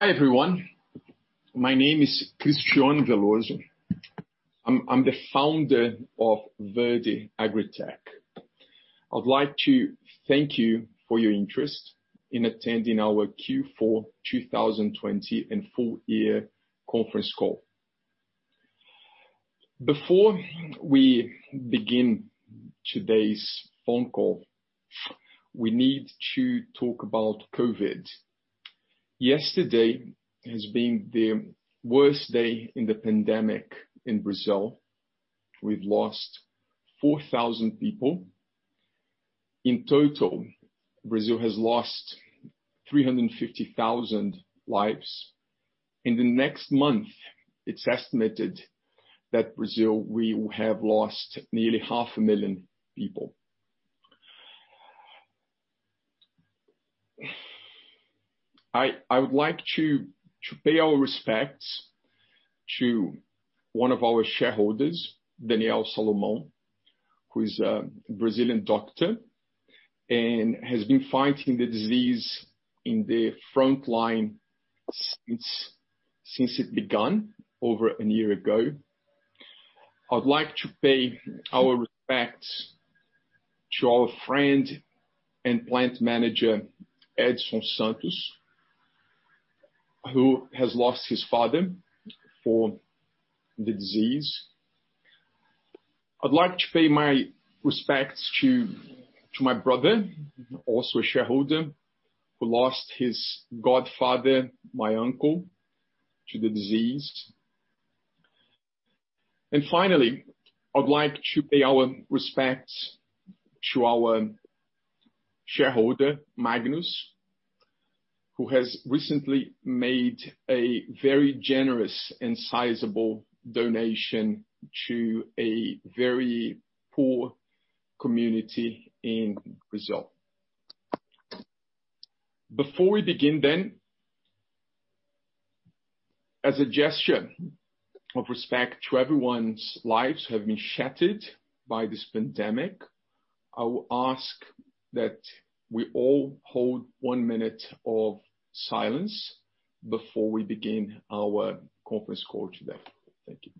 Hi everyone. My name is Cristiano Veloso. I'm the Founder of Verde AgriTech. I would like to thank you for your interest in attending our Q4 2020 and full year conference call. Before we begin today’s phone call, we need to talk about COVID. Yesterday has been the worst day in the pandemic in Brazil. We’ve lost 4,000 people. In total, Brazil has lost 350,000 lives. In the next month, it’s estimated that Brazil will have lost nearly 500,000 people. I would like to pay our respects to one of our shareholders, Daniel Solomon, who is a Brazilian doctor and has been fighting the disease in the front line since it begun over one year ago. I would like to pay our respects to our friend and Plant Manager, Edson Santos, who has lost his father for the disease. I'd like to pay my respects to my brother, also a shareholder, who lost his godfather, my uncle, to the disease. Finally, I would like to pay our respects to our shareholder, Magnus, who has recently made a very generous and sizable donation to a very poor community in Brazil. Before we begin then, as a gesture of respect to everyone's lives have been shattered by this pandemic, I will ask that we all hold one minute of silence before we begin our conference call today. Thank you.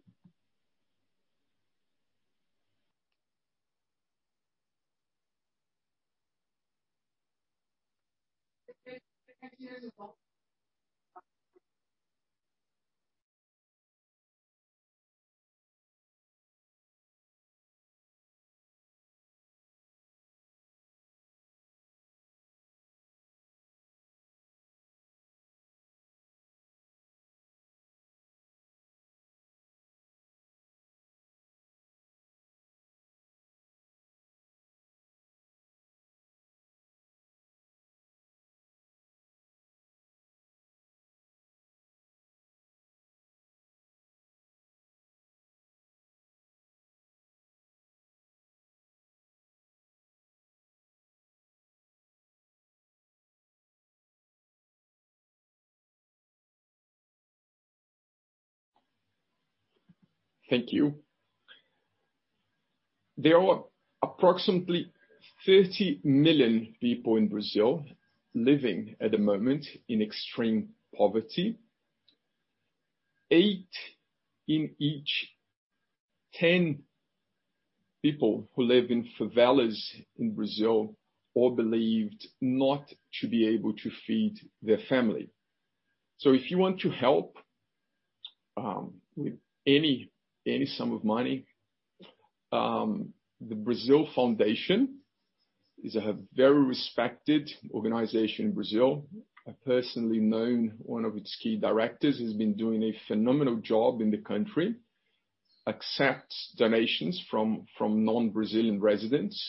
Thank you. There are approximately 30 million people in Brazil living at the moment in extreme poverty. Eight in each 10 people who live in favelas in Brazil all believed not to be able to feed their family. If you want to help with any sum of money, the BrazilFoundation is a very respected organization in Brazil. I personally known one of its key directors, who's been doing a phenomenal job in the country, accepts donations from non-Brazilian residents.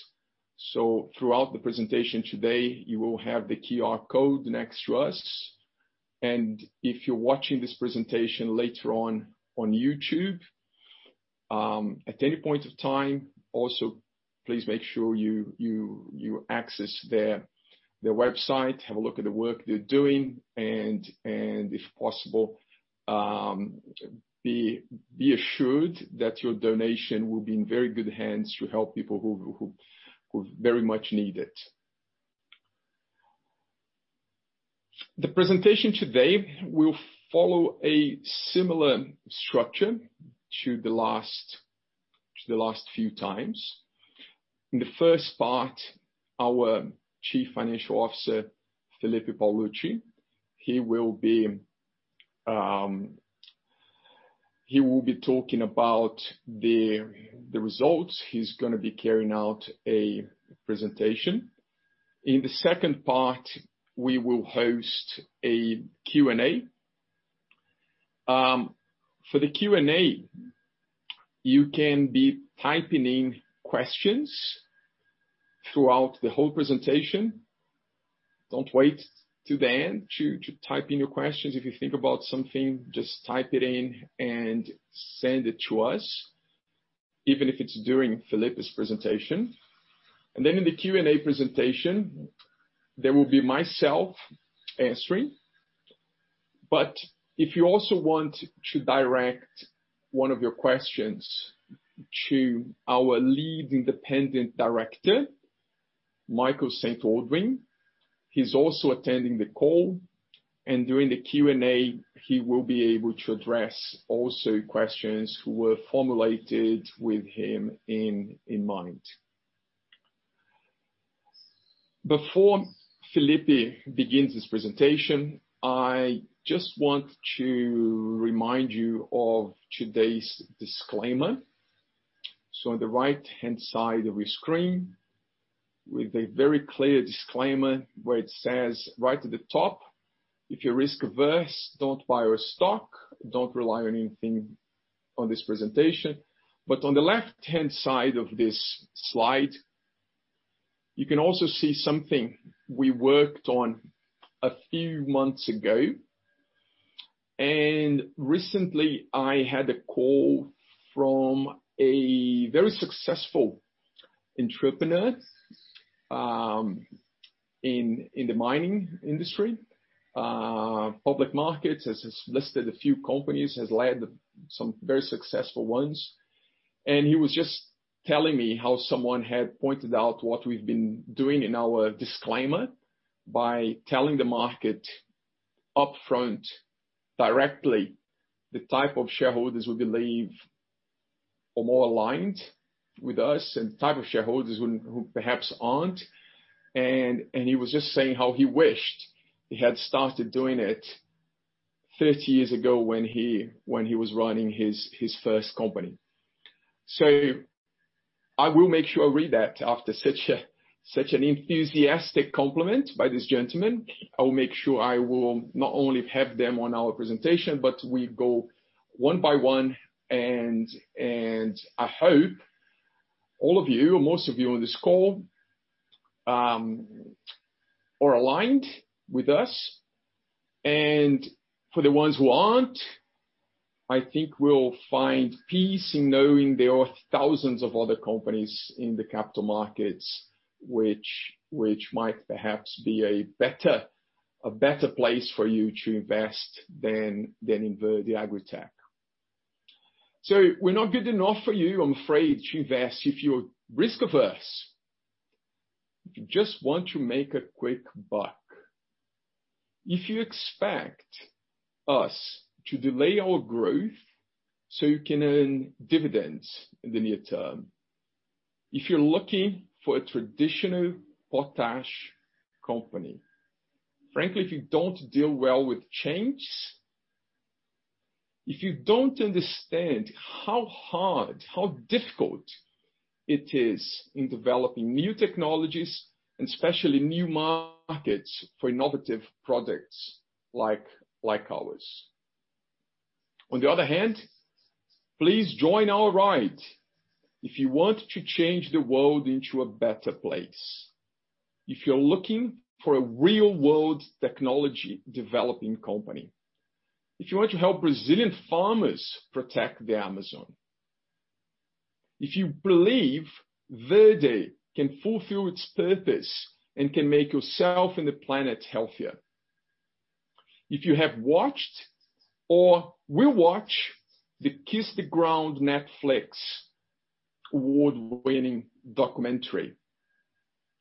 Throughout the presentation today, you will have the QR code next to us, and if you're watching this presentation later on YouTube, at any point of time, also please make sure you access their website, have a look at the work they're doing, and if possible, be assured that your donation will be in very good hands to help people who very much need it. The presentation today will follow a similar structure to the last few times. In the first part, our Chief Financial Officer, Felipe Paolucci, he will be talking about the results. He's going to be carrying out a presentation. In the second part, we will host a Q&A. For the Q&A, you can be typing in questions throughout the whole presentation. Don't wait to the end to type in your questions. If you think about something, just type it in and send it to us, even if it's during Felipe's presentation. Then in the Q&A presentation, there will be myself answering. If you also want to direct one of your questions to our Lead Independent Director Michael St. Aldwyn. He's also attending the call, and during the Q&A, he will be able to address also questions who were formulated with him in mind. Before Felipe begins his presentation, I just want to remind you of today's disclaimer. On the right-hand side of your screen, with a very clear disclaimer where it says right at the top, if you're risk-averse, don't buy our stock, don't rely on anything on this presentation. On the left-hand side of this slide, you can also see something we worked on a few months ago. Recently, I had a call from a very successful entrepreneur in the mining industry, public markets, has listed a few companies, has led some very successful ones. He was just telling me how someone had pointed out what we've been doing in our disclaimer by telling the market upfront, directly, the type of shareholders we believe are more aligned with us, and the type of shareholders who perhaps aren't. He was just saying how he wished he had started doing it 30 years ago when he was running his first company. I will make sure I read that after such an enthusiastic compliment by this gentleman. I will make sure I will not only have them on our presentation, but we go one by one, and I hope all of you or most of you on this call are aligned with us. For the ones who aren't, I think we'll find peace in knowing there are thousands of other companies in the capital markets which might perhaps be a better place for you to invest than in Verde AgriTech. We're not good enough for you, I'm afraid, to invest if you're risk-averse. If you just want to make a quick buck. If you expect us to delay our growth so you can earn dividends in the near term. If you're looking for a traditional potash company. Frankly, if you don't deal well with change. If you don't understand how hard, how difficult it is in developing new technologies and especially new markets for innovative products like ours. On the other hand, please join our ride if you want to change the world into a better place. If you're looking for a real-world technology developing company. If you want to help Brazilian farmers protect the Amazon. If you believe Verde can fulfill its purpose and can make yourself and the planet healthier. If you have watched or will watch the Kiss the Ground Netflix award-winning documentary,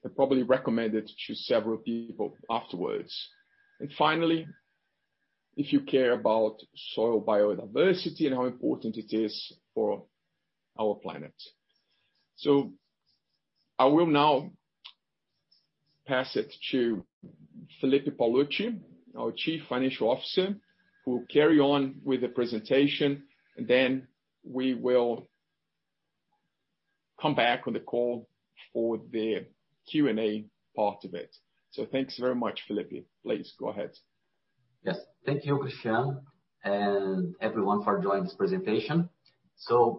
and probably recommend it to several people afterwards. Finally, if you care about soil biodiversity and how important it is for our planet. I will now pass it to Felipe Paolucci, our Chief Financial Officer, who will carry on with the presentation, and then we will come back on the call for the Q&A part of it. Thanks very much, Felipe. Please go ahead. Yes. Thank you, Cristiano, and everyone for joining this presentation.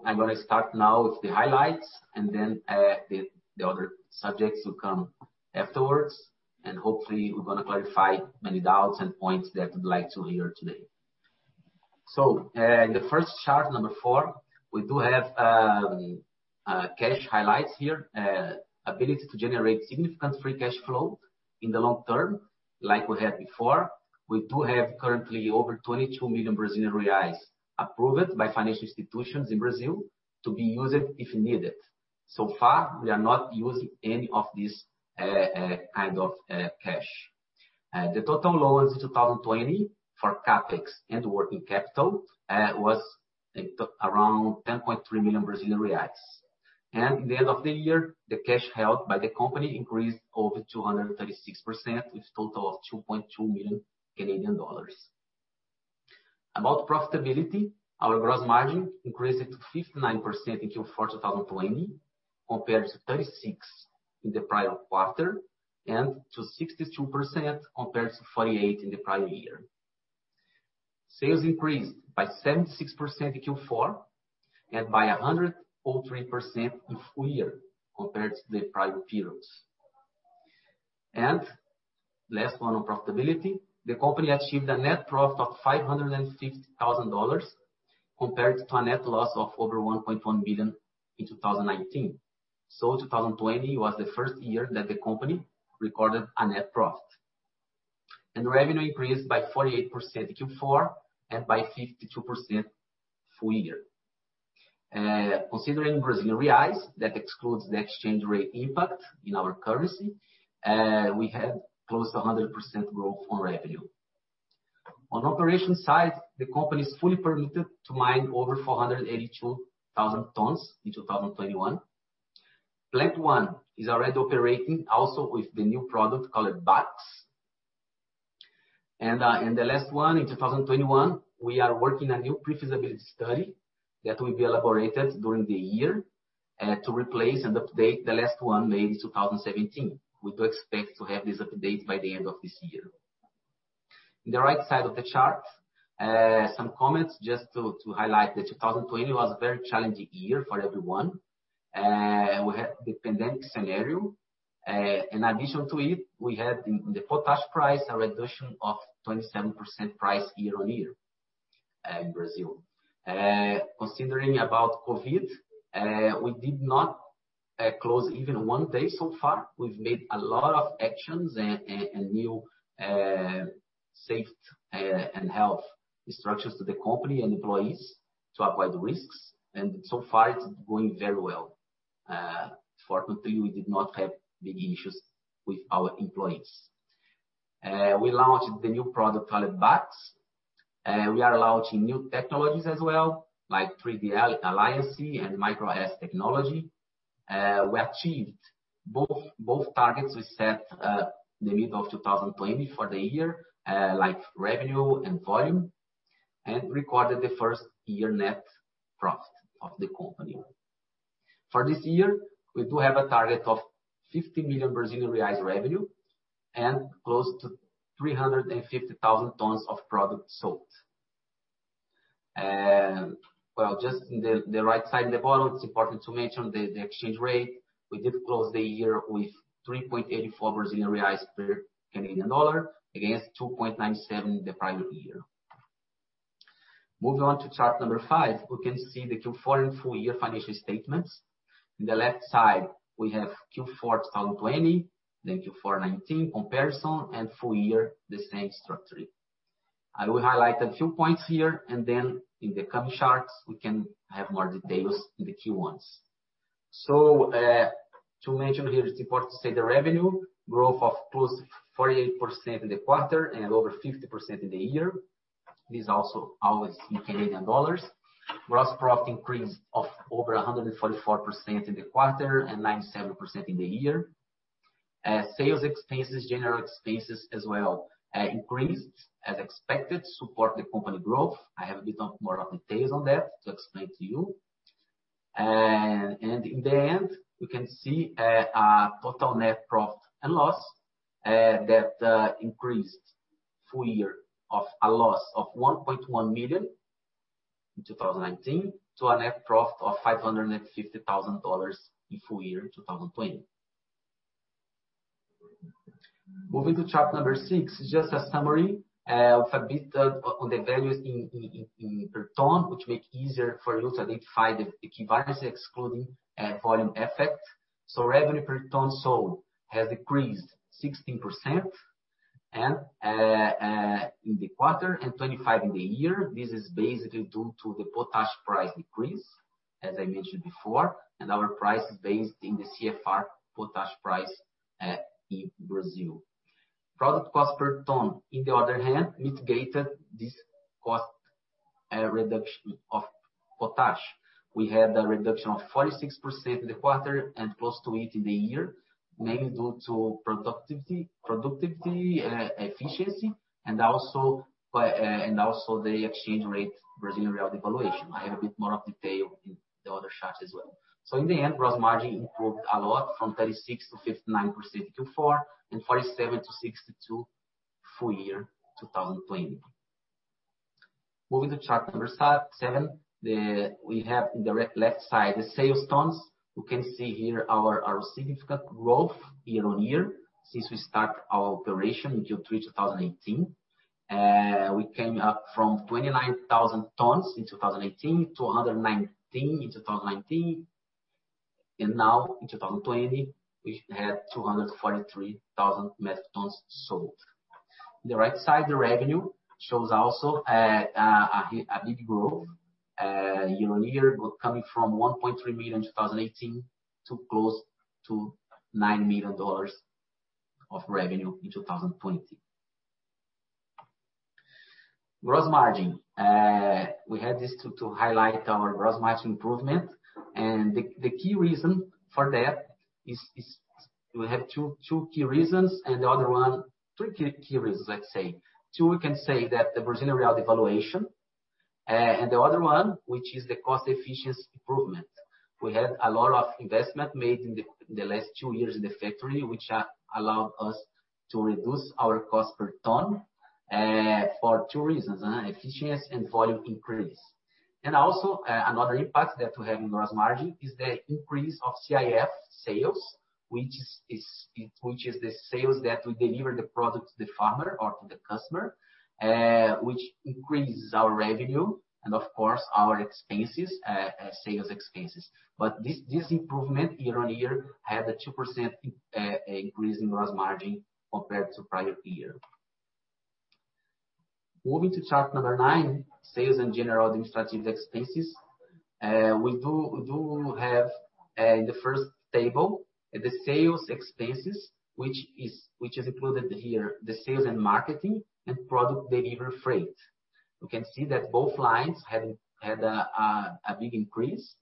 I'm going to start now with the highlights, and then the other subjects will come afterwards. Hopefully, we're going to clarify many doubts and points that you'd like to hear today. In the first chart, number four, we do have cash highlights here. Ability to generate significant free cash flow in the long term like we had before. We do have currently over 22 million Brazilian reais approved by financial institutions in Brazil to be used if needed. So far, we are not using any of this kind of cash. The total loans in 2020 for CapEx and working capital was around 10.3 million Brazilian reais. At the end of the year, the cash held by the company increased over 236%, with a total of 2.2 million Canadian dollars. About profitability, our gross margin increased to 59% in Q4 2020 compared to 36% in the prior quarter, and to 62% compared to 48% in the prior year. Sales increased by 76% in Q4 and by 103% in full year compared to the prior periods. Last one on profitability, the company achieved a net profit of 550,000 dollars compared to a net loss of over 1.1 million in 2019. 2020 was the first year that the company recorded a net profit. Revenue increased by 48% in Q4 and by 52% full year. Considering Brazilian reais, that excludes the exchange rate impact in our currency, we had close to 100% growth on revenue. On operation side, the company is fully permitted to mine over 482,000 tonnes in 2021. Plant 1 is already operating also with the new product called BAKS. The last one in 2021, we are working a new pre-feasibility study that will be elaborated during the year, to replace and update the last one made in 2017. We do expect to have this update by the end of this year. In the right side of the chart, some comments just to highlight that 2020 was a very challenging year for everyone. We had the pandemic scenario. In addition to it, we had the potash price, a reduction of 27% price year-on-year in Brazil. Considering about COVID, we did not close even one day so far. We've made a lot of actions and new safety and health structures to the company and employees to avoid the risks, and so far it's going very well. Fortunately, we did not have big issues with our employees. We launched the new product called BAKS. We are launching new technologies as well, like 3D Alliance and MicroS Technology. We achieved both targets we set the middle of 2020 for the year, like revenue and volume, and recorded the first year net profit of the company. For this year, we do have a target of 50 million Brazilian reais revenue and close to 350,000 tonnes of product sold. Just in the right side in the bottom, it's important to mention the exchange rate. We did close the year with 3.84 Brazilian reais per Canadian dollar against 2.97 the prior year. Moving on to chart number five, we can see the Q4 and full year financial statements. In the left side, we have Q4 2020, then Q4 2019 comparison, and full year, the same structure. I will highlight a few points here, and then in the coming charts, we can have more details in the key ones. To mention here, it's important to say the revenue growth of close to 48% in the quarter and over 50% in the year. This also always in Canadian dollars. Gross profit increased of over 144% in the quarter and 97% in the year. Sales expenses, general expenses as well increased as expected, support the company growth. I have a bit of more of details on that to explain to you. In the end, we can see a total net profit and loss, that increased full year of a loss of 1.1 million in 2019 to a net profit of 550,000 dollars in full year 2020. Moving to chart number six, just a summary of a bit on the values in per tonne, which make easier for you to identify the key values excluding volume effect. Revenue per tonne sold has increased 16% in the quarter and 25% in the year. This is basically due to the potash price decrease, as I mentioned before, and our price is based in the CFR potash price at in Brazil. Product cost per tonne, in the other hand, mitigated this cost reduction of potash. We had a reduction of 46% in the quarter and close to it in the year, mainly due to productivity efficiency and also the exchange rate Brazilian real devaluation. I have a bit more of detail in the other charts as well. In the end, gross margin improved a lot from 36%-59% Q4 and 47%-62% full year 2020. Moving to chart seven, we have in the left side, the sales tonnes. We can see here our significant growth year-on-year since we start our operation in Q3 2018. We came up from 29,000 tonnes in 2018 to 119,000 tonnes in 2019. Now in 2020, we had 243,000 metric tons sold. In the right side, the revenue shows also a big growth year-on-year, coming from 1.3 million in 2018 to close to 9 million dollars of revenue in 2020. Gross margin. We had this to highlight our gross margin improvement. Three key reasons, let's say. Two, we can say that the Brazilian real devaluation. The other one, which is the cost efficiency improvement. We had a lot of investment made in the last two years in the factory, which allowed us to reduce our cost per tonne, for two reasons, efficiency and volume increase. Also, another impact that we have in gross margin is the increase of CIF sales, which is the sales that we deliver the product to the farmer or to the customer, which increases our revenue and of course our expenses, sales expenses. This improvement year-on-year had a 2% increase in gross margin compared to prior year. Moving to chart number nine, sales and general administrative expenses. We do have, in the first table, the sales expenses, which is included here, the sales and marketing and product delivery freight. You can see that both lines had a big increase.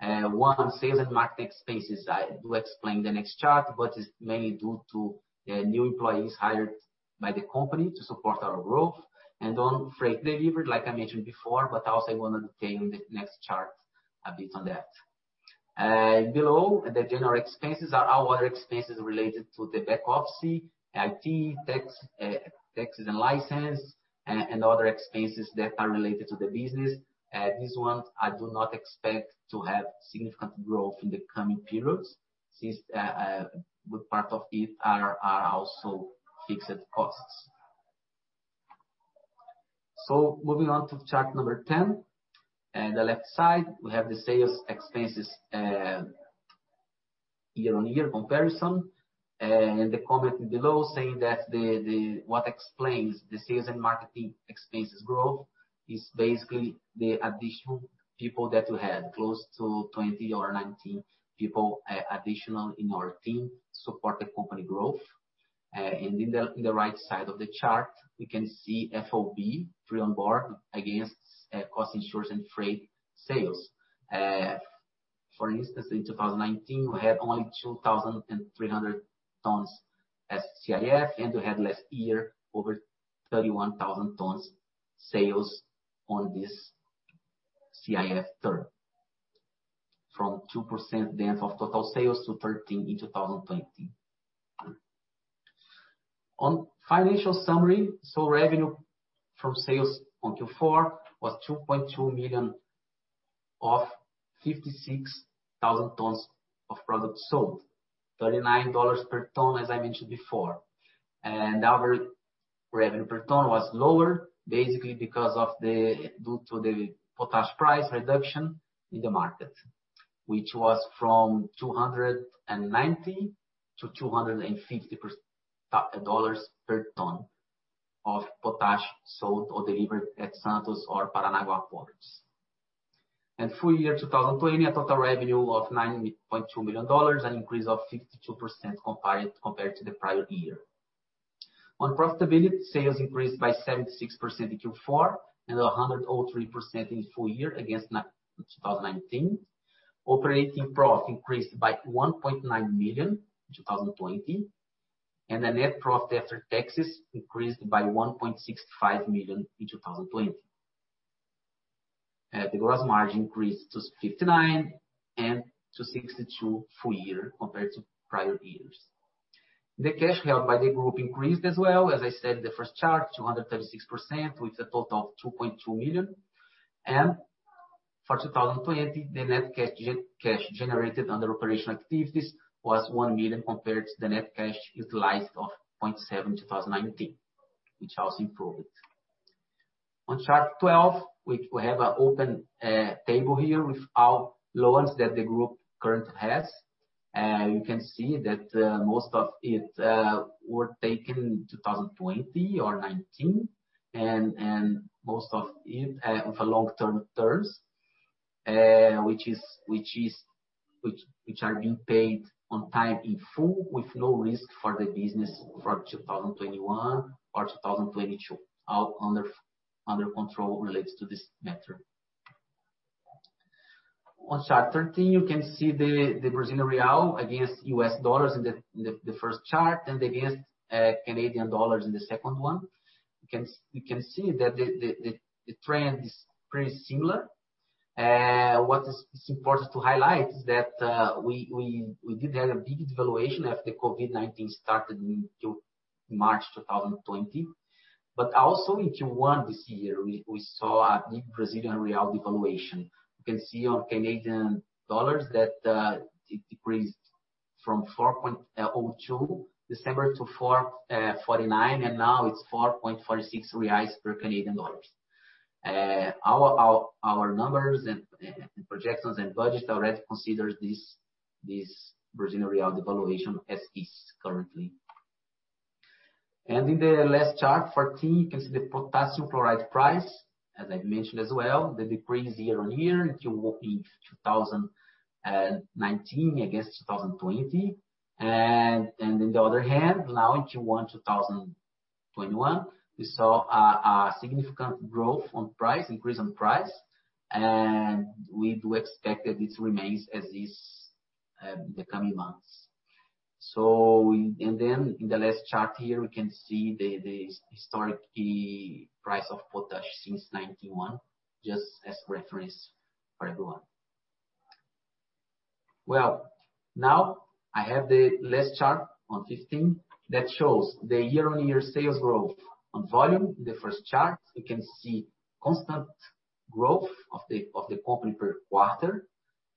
One on sales and marketing expenses, I do explain the next chart, it's mainly due to new employees hired by the company to support our growth and on freight delivery, like I mentioned before, also I want to detail in the next chart a bit on that. Below, the general expenses are our other expenses related to the back office, IT, taxes and license, and other expenses that are related to the business. This one, I do not expect to have significant growth in the coming periods since a good part of it are also fixed costs. Moving on to chart number 10. In the left side, we have the sales expenses year-on-year comparison. The comment below saying that what explains the sales and marketing expenses growth is basically the additional people that we had, close to 20 or 19 people additional in our team to support the company growth. In the right side of the chart, we can see FOB, free on board, against cost, insurance, and freight sales. For instance, in 2019, we had only 2,300 tonnes as CIF, we had last year over 31,000 tonnes sales on this CIF term. From 2% then of total sales to 13 in 2020. On financial summary, revenue from sales on Q4 was 2.2 million off 56,000 tonnes of product sold, 39 dollars per tonne, as I mentioned before. Our revenue per tonne was lower, basically due to the potash price reduction in the market, which was from 290-250 dollars per tonne of potash sold or delivered at Santos or Paranagua ports. In full year 2020, a total revenue of 9.2 million dollars, an increase of 52% compared to the prior year. On profitability, sales increased by 76% in Q4 and 103% in full year against 2019. Operating profit increased by 1.9 million in 2020, and the net profit after taxes increased by 1.65 million in 2020. The gross margin increased to 59% and to 62% full year compared to prior years. The cash held by the group increased as well, as I said in the first chart, 236%, with a total of 2.2 million. For 2020, the net cash generated under operational activities was 1 million compared to the net cash utilized of 0.7 million in 2019, which also improved. On chart 12, we have an open table here with all loans that the group currently has. You can see that most of it were taken in 2020 or 2019, and most of it with a long-term terms, which are being paid on time in full with no risk for the business for 2021 or 2022. All under control related to this matter. On chart 13, you can see the Brazilian real against U.S. dollars in the first chart and against Canadian dollars in the second one. You can see that the trend is pretty similar. What is important to highlight is that we did have a big devaluation after COVID-19 started in March 2020. Also in Q1 this year, we saw a big Brazilian real devaluation. You can see on Canadian dollars that it decreased from 4.02 December to 4.49, and now it is 4.46 reais per Canadian dollar. Our numbers and projections and budget already considers this Brazilian real devaluation as is currently. In the last chart, 14, you can see the potassium chloride price, as I mentioned as well, the decrease year-on-year in Q4 in 2019 against 2020. On the other hand, now in Q1 2021, we saw a significant growth on price, increase on price, and we do expect that it remains as is in the coming months. In the last chart here, we can see the historically price of potash since 1991, just as reference for everyone. Well, now I have the last chart on 15 that shows the year-on-year sales growth on volume. In the first chart, you can see constant growth of the company per quarter.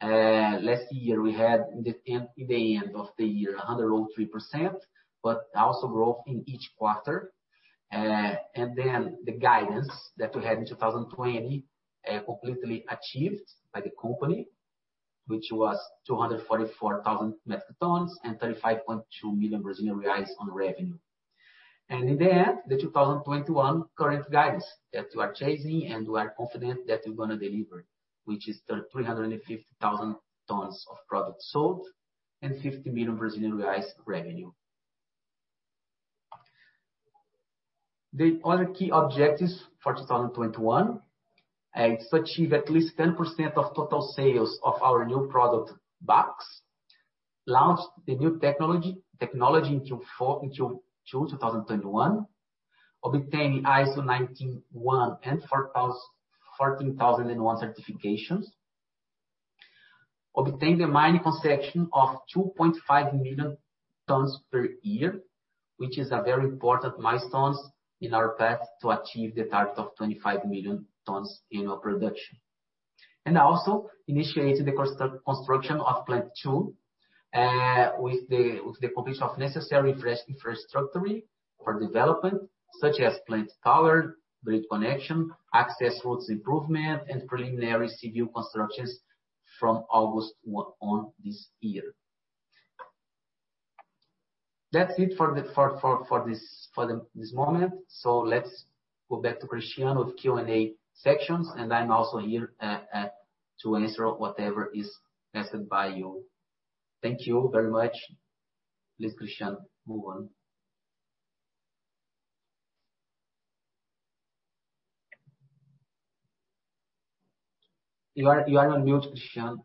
Last year we had, in the end of the year, 103%, but also growth in each quarter. The guidance that we had in 2020 completely achieved by the company, which was 244,000 metric tons and 35.2 million Brazilian reais on revenue. In the end, the 2021 current guidance that we are chasing and we are confident that we're going to deliver, which is 350,000 tonnes of product sold and 50 million Brazilian reais revenue. The other key objectives for 2021 is to achieve at least 10% of total sales of our new product BAKS, launch the new technology in Q2 2021, obtaining ISO 9001 and 14001 certifications, obtain the mining concession of 2.5 million tonnes per year, which is a very important milestone in our path to achieve the target of 25 million tonnes annual production. Also initiating the construction of Plant 2, with the completion of necessary infrastructure for development such as plant tower, grid connection, access roads improvement, and preliminary civil constructions from August on this year. That's it for this moment. Let's go back to Cristiano with Q&A sections. I'm also here to answer whatever is asked by you. Thank you very much. Please, Cristiano, move on. You are on mute, Cristiano.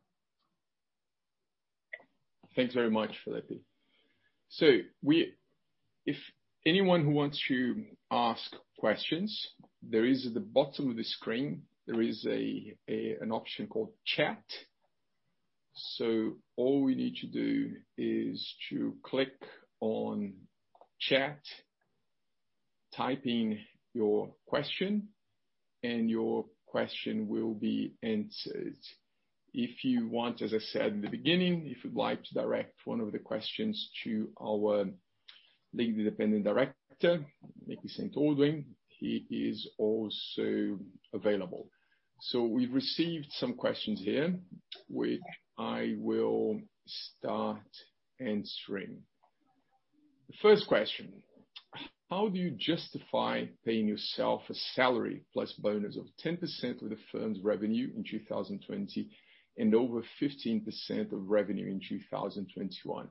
Thanks very much, Felipe. If anyone who wants to ask questions, there is at the bottom of the screen, there is an option called Chat. All we need to do is to click on chat, type in your question, and your question will be answered. If you want, as I said in the beginning, if you'd like to direct one of the questions to our Lead Independent Director, Mickey St. Aldwyn, he is also available. We've received some questions here, which I will start answering. The first question, how do you justify paying yourself a salary plus bonus of 10% of the firm's revenue in 2020 and over 15% of revenue in 2021?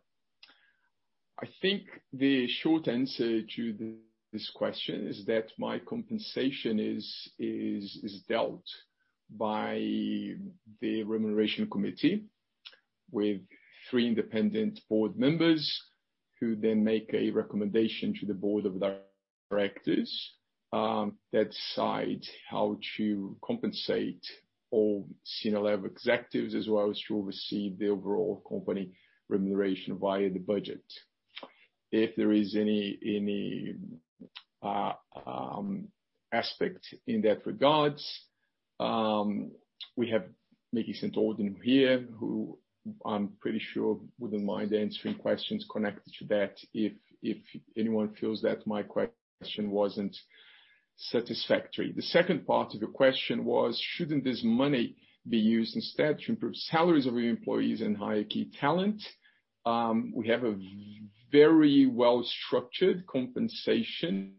I think the short answer to this question is that my compensation is dealt by the remuneration committee with three independent board members, who then make a recommendation to the board of directors, that decide how to compensate all senior level executives, as well as to receive the overall company remuneration via the budget. If there is any aspect in that regards, we have Mickey St. Aldwyn here, who I'm pretty sure wouldn't mind answering questions connected to that if anyone feels that my question wasn't satisfactory. The second part of your question was, shouldn't this money be used instead to improve salaries of your employees and hire key talent? We have a very well-structured compensation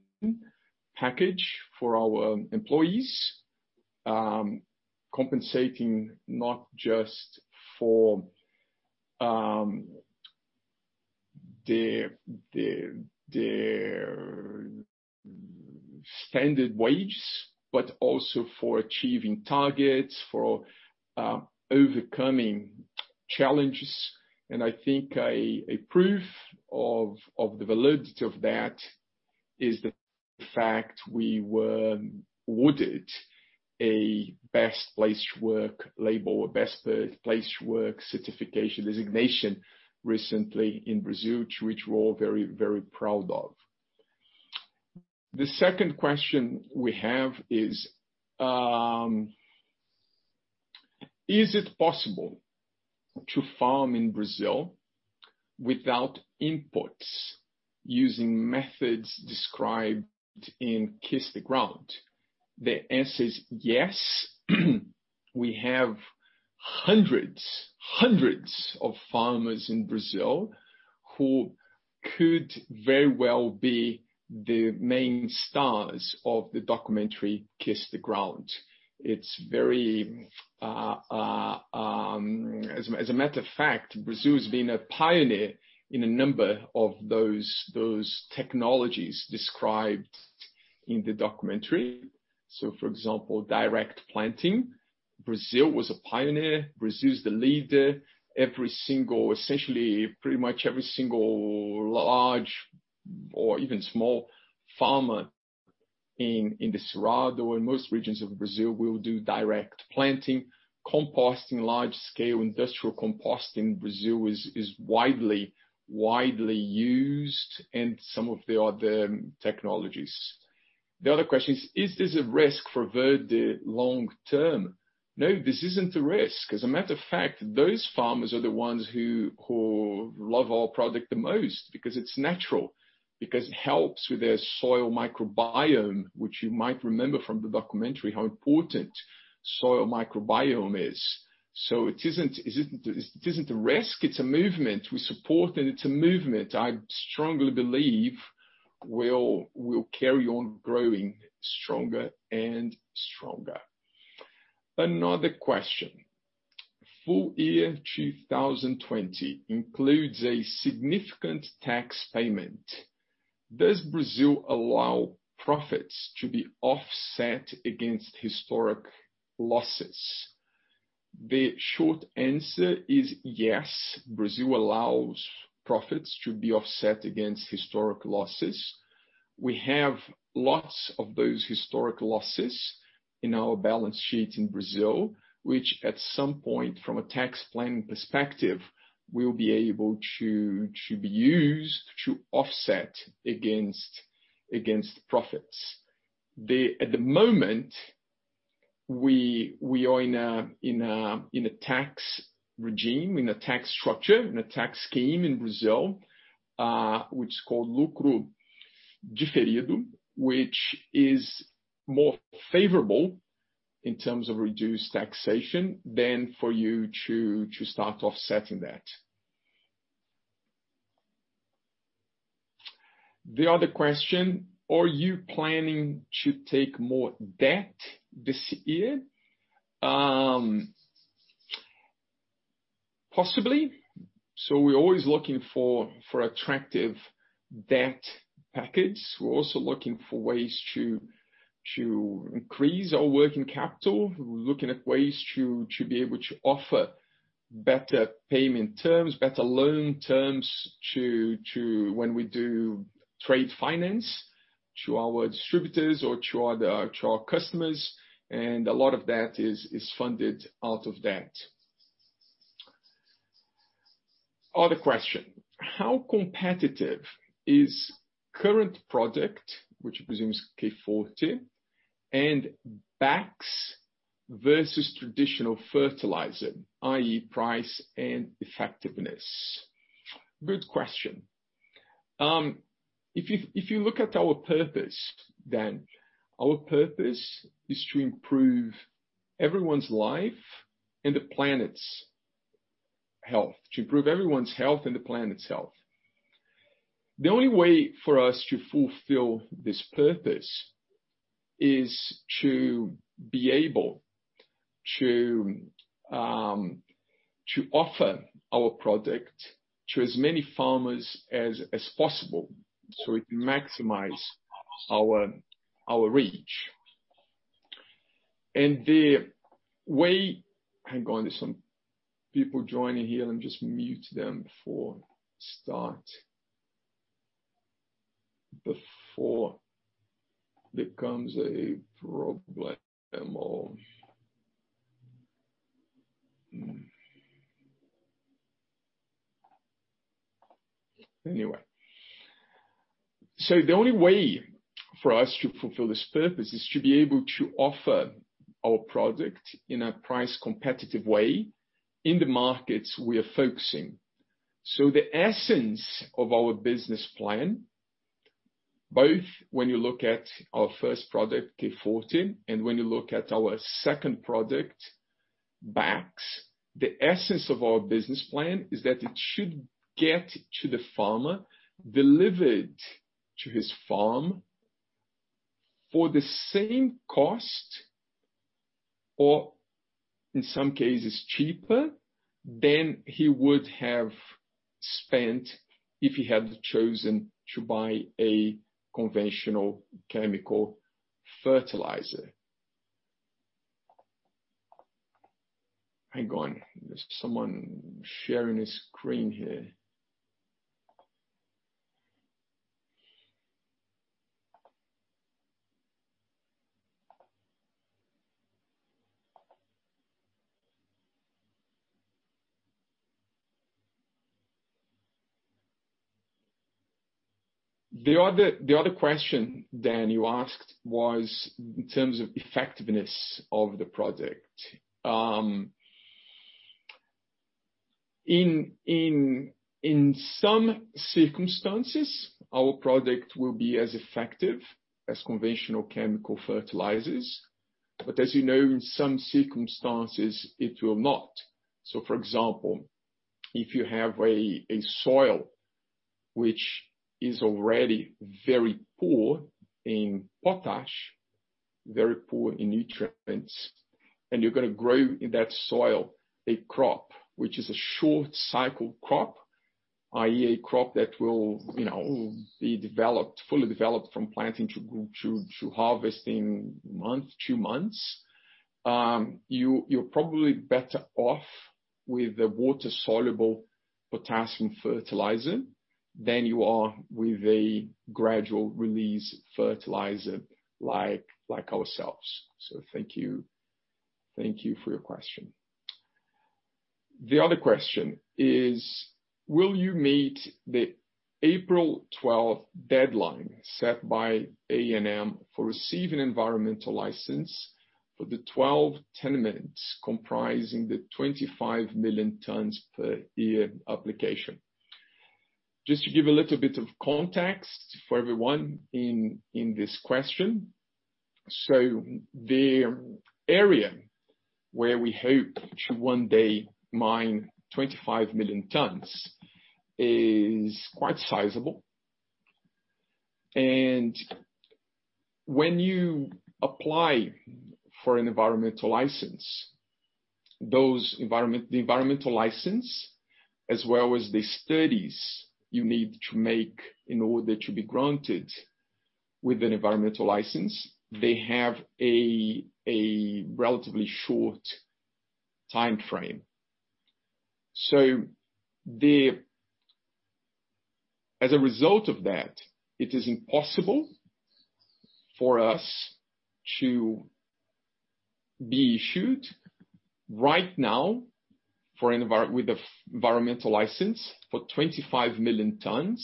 package for our employees, compensating not just for their standard wages, but also for achieving targets, for overcoming challenges. I think a proof of the validity of that is the fact we were awarded a Best Place to Work label, a Best Place to Work certification designation recently in Brazil, which we're all very proud of. The second question we have is it possible to farm in Brazil without inputs, using methods described in "Kiss the Ground"? The answer is yes. We have hundreds of farmers in Brazil who could very well be the main stars of the documentary, "Kiss the Ground." As a matter of fact, Brazil has been a pioneer in a number of those technologies described in the documentary. For example, direct planting, Brazil was a pioneer. Brazil is the leader. Essentially pretty much every single large or even small farmer in the Cerrado or in most regions of Brazil will do direct planting. Composting, large scale industrial composting in Brazil is widely used and some of the other technologies. The other question is this a risk for Verde long-term? No, this isn't a risk. As a matter of fact, those farmers are the ones who love our product the most because it's natural, because it helps with their soil microbiome, which you might remember from the documentary how important soil microbiome is. It isn't a risk, it's a movement we support, and it's a movement I strongly believe will carry on growing stronger and stronger. Another question. Full year 2020 includes a significant tax payment. Does Brazil allow profits to be offset against historic losses? The short answer is yes, Brazil allows profits to be offset against historic losses. We have lots of those historic losses in our balance sheet in Brazil, which at some point from a tax planning perspective, will be able to be used to offset against profits. At the moment, we are in a tax regime, in a tax structure, in a tax scheme in Brazil, which is called lucro presumido, which is more favorable in terms of reduced taxation than for you to start offsetting that. The other question, are you planning to take more debt this year? Possibly. We're always looking for attractive debt packets. We're also looking for ways to increase our working capital. We're looking at ways to be able to offer better payment terms, better loan terms, when we do trade finance to our distributors or to our customers, and a lot of that is funded out of debt. Other question, how competitive is current product, which presumes K Forte, and BAKS versus traditional fertilizer, i.e. price and effectiveness? Good question. If you look at our purpose, our purpose is to improve everyone's life and the planet's health. To improve everyone's health and the planet's health. The only way for us to fulfill this purpose is to be able to offer our product to as many farmers as possible, we can maximize our reach. Hang on, there's some people joining here. Let me just mute them before it start, before it becomes a problem. The only way for us to fulfill this purpose is to be able to offer our product in a price competitive way in the markets we are focusing. The essence of our business plan, both when you look at our first product, K Forte, and when you look at our second product, BAKS. The essence of our business plan is that it should get to the farmer, delivered to his farm for the same cost, or in some cases cheaper than he would have spent if he had chosen to buy a conventional chemical fertilizer. Hang on. There's someone sharing a screen here. The other question, Dan, you asked was in terms of effectiveness of the product. In some circumstances, our product will be as effective as conventional chemical fertilizers. As you know, in some circumstances it will not. For example, if you have a soil which is already very poor in potash, very poor in nutrients, and you're going to grow in that soil a crop, which is a short cycle crop, i.e. a crop that will be fully developed from planting to harvest in month, two months. You're probably better off with a water-soluble potassium fertilizer than you are with a gradual release fertilizer like ourselves. Thank you for your question. The other question is, will you meet the April 12th deadline set by ANM for receiving environmental license for the 12 tenements comprising the 25 million tonnes per year application? Just to give a little bit of context for everyone in this question. The area where we hope to one day mine 25 million tonnes is quite sizable. When you apply for an environmental license, the environmental license, as well as the studies you need to make in order to be granted with an environmental license, they have a relatively short timeframe. As a result of that, it is impossible for us to be issued right now with the environmental license for 25 million tonnes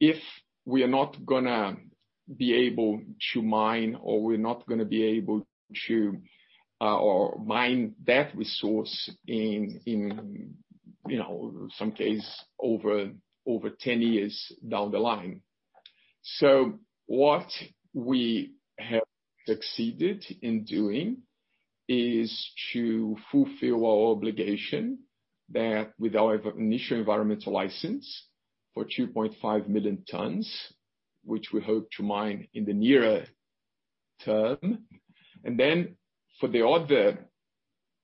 if we are not going to be able to mine, or we're not going to be able to mine that resource in some cases over 10 years down the line. What we have succeeded in doing is to fulfill our obligation that with our initial environmental license for 2.5 million tonnes, which we hope to mine in the nearer term. Then for the other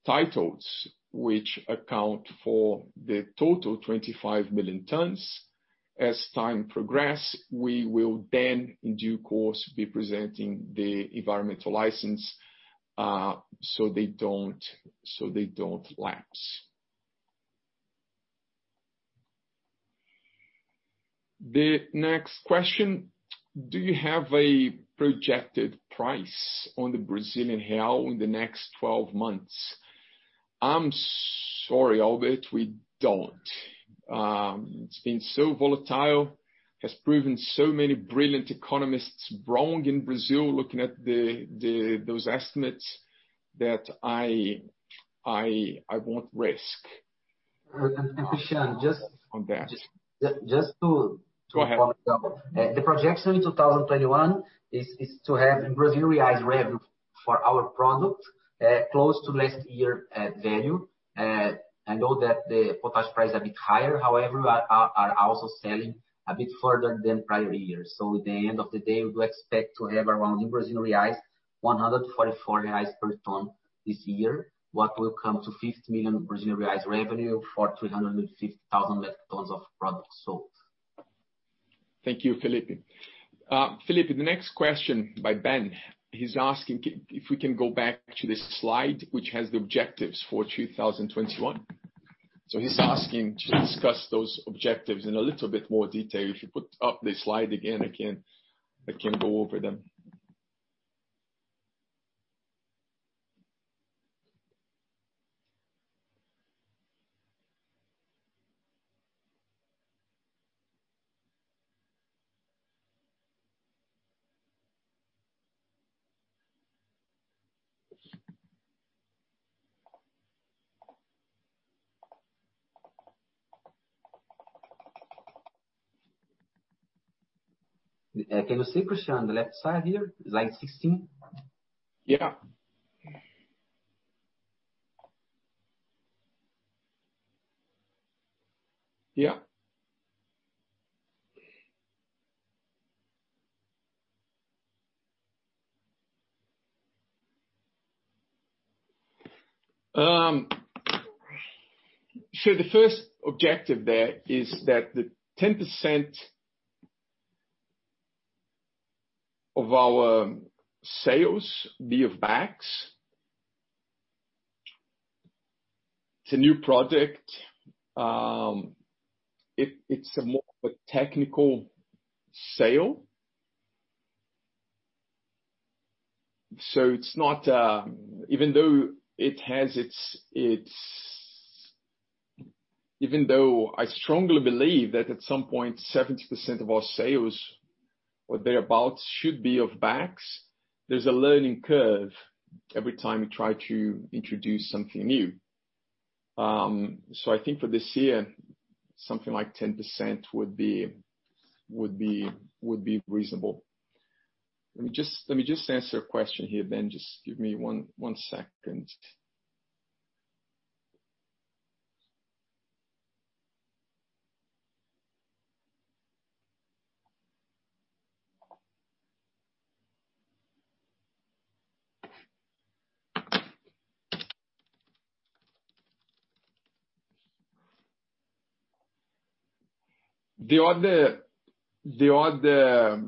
titles, which account for the total 25 million tonnes, as time progress, we will then in due course be presenting the environmental license so they don't lapse. The next question. Do you have a projected price on the Brazilian real in the next 12 months? I'm sorry, Albert, we don't. It's been so volatile, has proven so many brilliant economists wrong in Brazil looking at those estimates that I won't risk on that. Cristiano. Go ahead. The projection in 2021 is to have Brazilian revenue for our product close to last year value. I know that the potash price a bit higher, however, are also selling a bit further than prior years. At the end of the day, we expect to have around in 144 reais per tonne this year. What will come to 50 million Brazilian reais revenue for 350,000 metric tons of product sold. Thank you, Felipe. Felipe, the next question by Ben. He's asking if we can go back to the slide which has the objectives for 2021. He's asking to discuss those objectives in a little bit more detail. If you put up the slide again, I can go over them. Can you see, Cristiano, on the left side here? Slide 16. Yeah. The first objective there is that the 10% of our sales be of BAKS. It's a new product. It's more of a technical sale. Even though I strongly believe that at some point 70% of our sales or thereabout should be of BAKS, there's a learning curve every time we try to introduce something new. I think for this year, something like 10% would be reasonable. Let me just answer a question here, Ben. Just give me one second. The other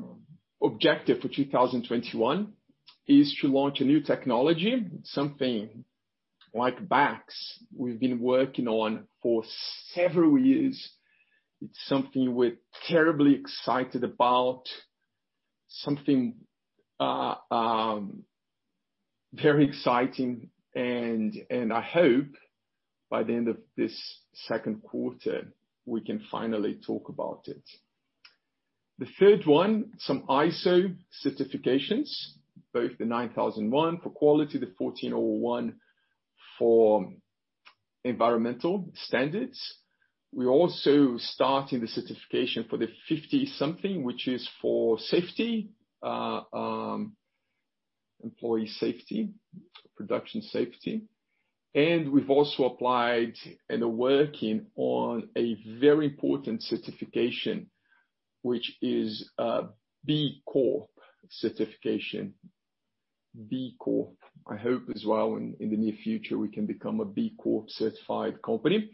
objective for 2021 is to launch a new technology, something like BAKS we've been working on for several years. It's something we're terribly excited about. Something very exciting, and I hope by the end of this second quarter, we can finally talk about it. The third one, some ISO certifications, both the ISO 9001 for quality, the ISO 14001 for environmental standards. We're also starting the certification for the 50 something, which is for safety, employee safety, production safety. We've also applied and are working on a very important certification, which is B Corp certification. B Corp. I hope as well in the near future we can become a B Corp certified company.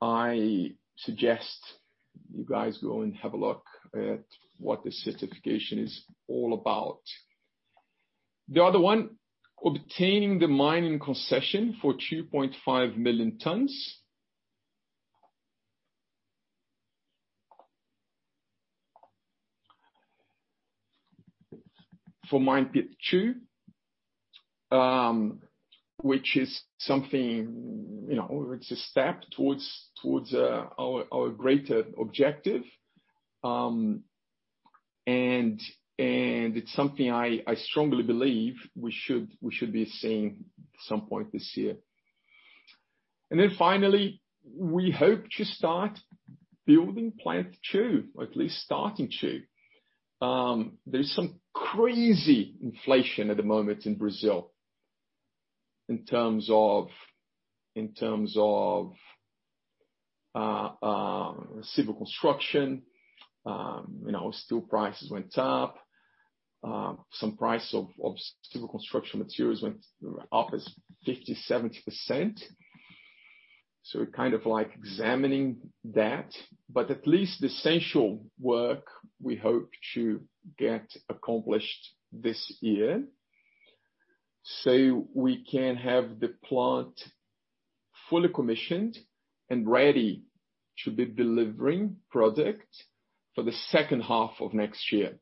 I suggest you guys go and have a look at what this certification is all about. The other one, obtaining the mining concession for 2.5 million tonnes. For mine pit 2, which is a step towards our greater objective. It's something I strongly believe we should be seeing at some point this year. Finally, we hope to start building Plant 2, or at least starting to. There is some crazy inflation at the moment in Brazil in terms of civil construction. Steel prices went up. Some price of civil construction materials went up as 50%, 70%. We're examining that, at least the essential work we hope to get accomplished this year so we can have the plant fully commissioned and ready to be delivering product for the second half of next year.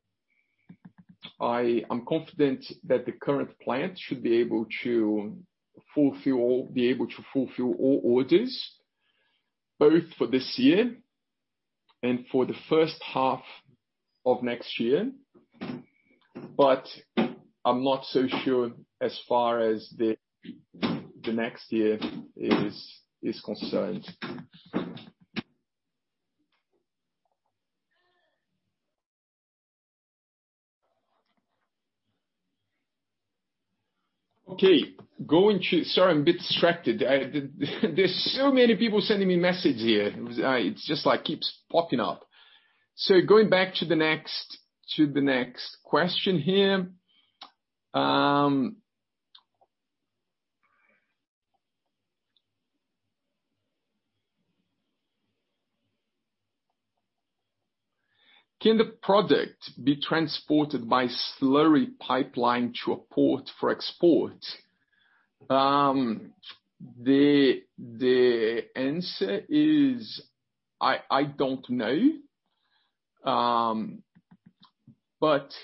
I am confident that the current plant should be able to fulfill all orders, both for this year and for the first half of next year. I'm not so sure as far as the next year is concerned. Okay. Sorry, I'm a bit distracted. There's so many people sending me messages here. It just keeps popping up. Going back to the next question here. Can the product be transported by slurry pipeline to a port for export? The answer is I don't know. It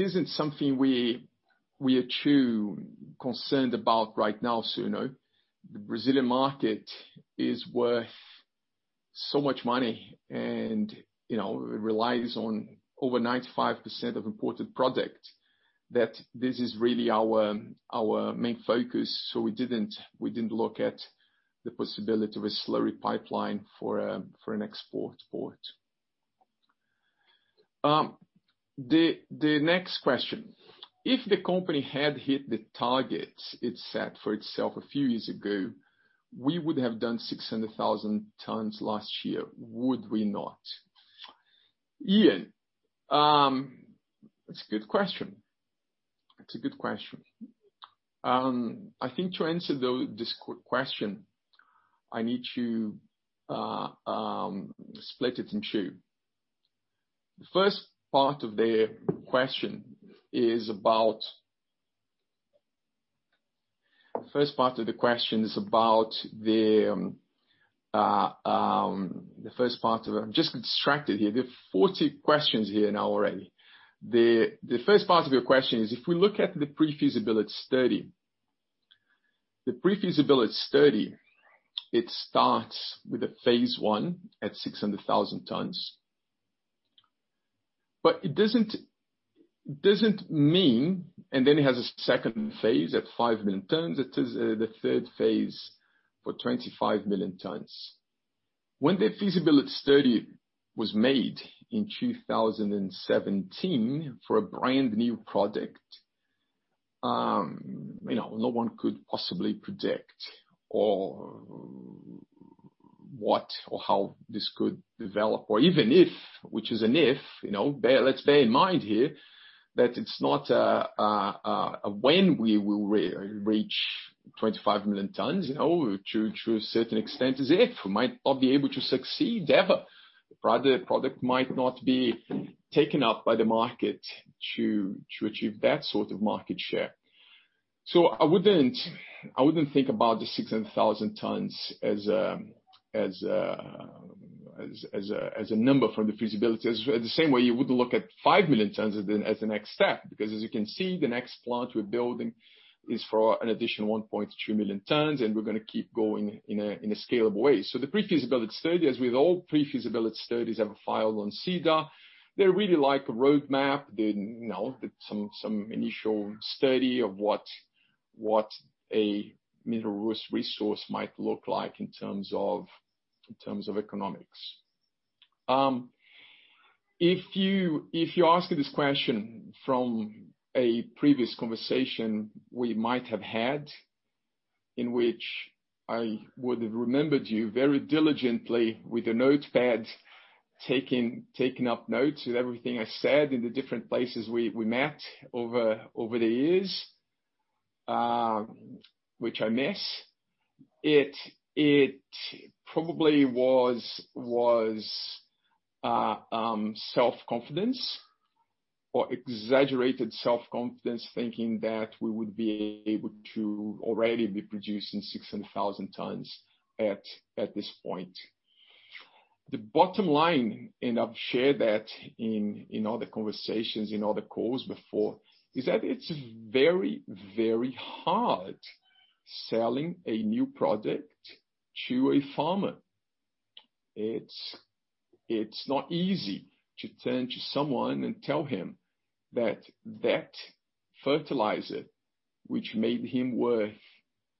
isn't something we are too concerned about right now. The Brazilian market is worth so much money, and it relies on over 95% of imported product that this is really our main focus, so we didn't look at the possibility of a slurry pipeline for an export port. The next question. If the company had hit the targets it set for itself a few years ago, we would have done 600,000 tonnes last year, would we not? Ian. That's a good question. I think to answer this question, I need to split it in two. The first part of the question is. I'm just distracted here. There are 40 questions here now already. The first part of your question is if we look at the pre-feasibility study. The pre-feasibility study, it starts with the phase one at 600,000 tonnes. It doesn't mean. Then it has a phase two at 5 million tonnes. It has the third phase for 25 million tonnes. When the feasibility study was made in 2017 for a brand-new product, no one could possibly predict or what or how this could develop or even if, which is an if. Let's bear in mind here that it's not a when we will reach 25 million tonnes. To a certain extent is if. We might not be able to succeed ever. The product might not be taken up by the market to achieve that sort of market share. I wouldn't think about the 600,000 tonnes as a number from the feasibility. The same way you would look at 5 million tonnes as the next step, because as you can see, the next plant we're building is for an additional 1.2 million tonnes, and we're going to keep going in a scalable way. The pre-feasibility study, as with all pre-feasibility studies ever filed on SEDAR, they're really like a roadmap. Some initial study of what a mineral resource might look like in terms of economics. If you're asking this question from a previous conversation we might have had, in which I would have remembered you very diligently with a notepad, taking up notes of everything I said in the different places we met over the years, which I miss. It probably was self-confidence or exaggerated self-confidence, thinking that we would be able to already be producing 600,000 tonnes at this point. The bottom line, and I've shared that in other conversations, in other calls before, is that it's very hard selling a new product to a farmer. It's not easy to turn to someone and tell him that that fertilizer, which made him worth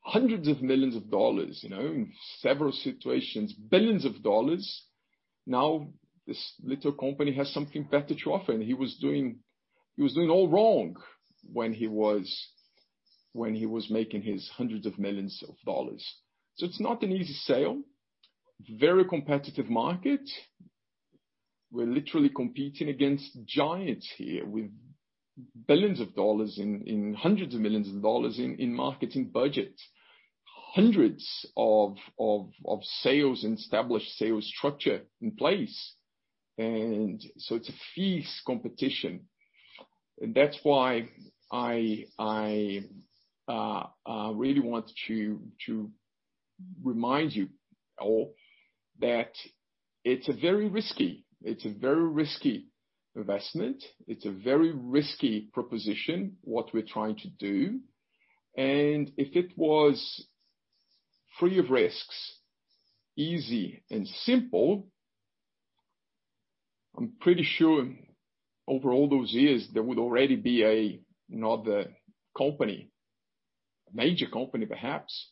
hundreds of millions of dollars, in several situations, billions of dollars, now this little company has something better to offer. He was doing all wrong when he was making his hundreds of millions of dollars. It's not an easy sale. Very competitive market. We're literally competing against giants here with hundreds of millions of dollars in marketing budgets. Hundreds of sales and established sales structure in place. It's a fierce competition. That's why I really want to remind you all that it's a very risky investment. It's a very risky proposition, what we're trying to do. If it was free of risks, easy and simple, I'm pretty sure over all those years, there would already be another company, a major company perhaps,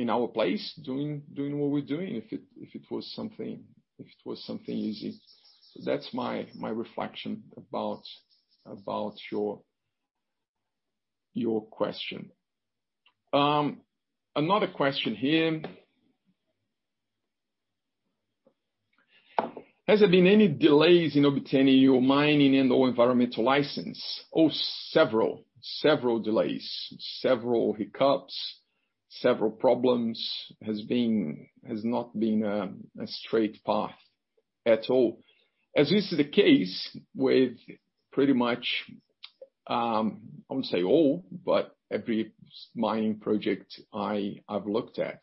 in our place, doing what we're doing, if it was something easy. That's my reflection about your question. Another question here. Has there been any delays in obtaining your mining and/or environmental license? Several delays. Several hiccups, several problems. Has not been a straight path at all. As is the case with pretty much, I wouldn't say all, but every mining project I've looked at.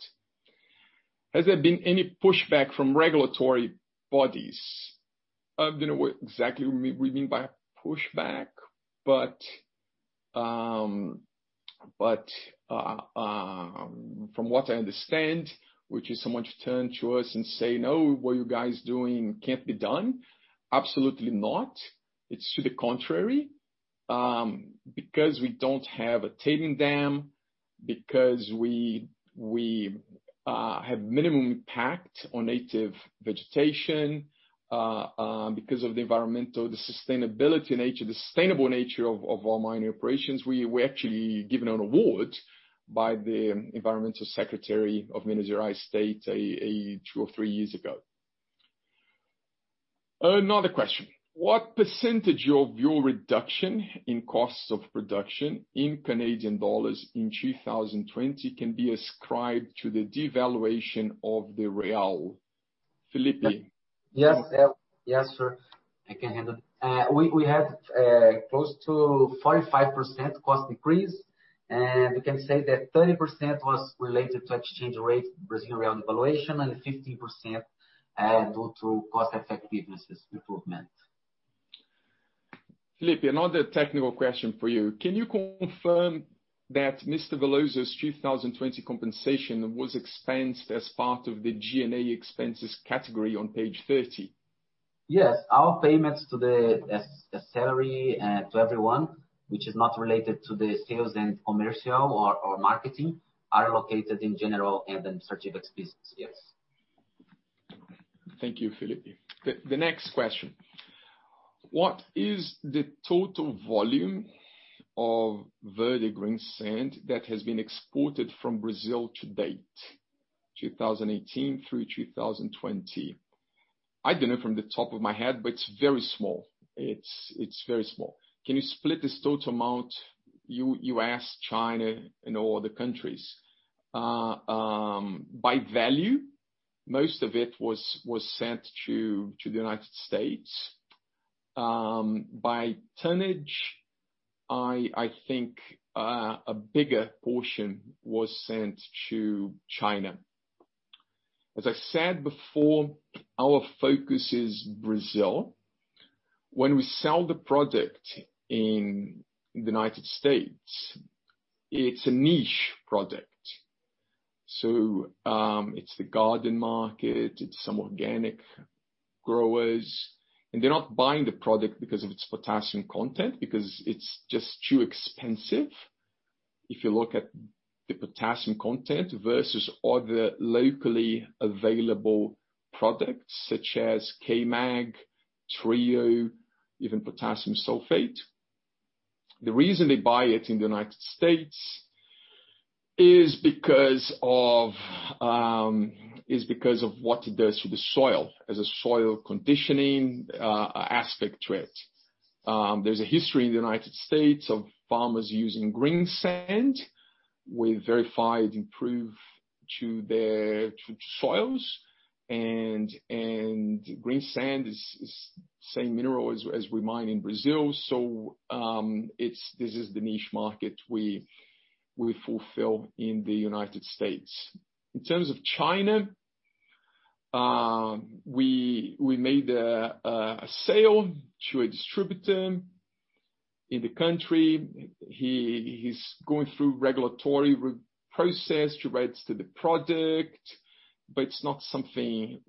Has there been any pushback from regulatory bodies? I don't know what exactly we mean by pushback, but from what I understand, which is someone to turn to us and say, "No, what you guys doing can't be done." Absolutely not. It's to the contrary, because we don't have a tailing dam, because we have minimum impact on native vegetation, because of the sustainability nature, the sustainable nature of our mining operations. We were actually given an award by the environmental secretary of Minas Gerais two or three years ago. Another question. What percentage of your reduction in costs of production in Canadian dollars in 2020 can be ascribed to the devaluation of the real? Felipe? Yes, sir. I can handle it. We had close to 45% cost decrease. We can say that 30% was related to exchange rate, Brazilian real devaluation, and 15% due to cost effectiveness improvement. Felipe, another technical question for you. Can you confirm that Mr. Veloso's 2020 compensation was expensed as part of the G&A expenses category on page 30? Yes. Our payments to the salary to everyone, which is not related to the sales and commercial or marketing, are located in general and administrative expenses. Yes. Thank you, Felipe. The next question. What is the total volume of Verde greensand that has been exported from Brazil to date, 2018 through 2020? I don't know from the top of my head, but it's very small. It's very small. Can you split this total amount, U.S., China, and all other countries? By value, most of it was sent to the U.S. By tonnage, I think a bigger portion was sent to China. I said before, our focus is Brazil. When we sell the product in the U.S., it's a niche product. It's the garden market, it's some organic growers, and they're not buying the product because of its potassium content, because it's just too expensive. If you look at the potassium content versus other locally available products such as K-Mag, Trio, even potassium sulfate. The reason they buy it in the U.S. is because of what it does to the soil, as a soil conditioning aspect to it. There's a history in the U.S. of farmers using greensand with verified improve to the soils and greensand is the same mineral as we mine in Brazil. This is the niche market we fulfill in the U.S. In terms of China, we made a sale to a distributor in the country. He's going through regulatory process relates to the product, but it's not something,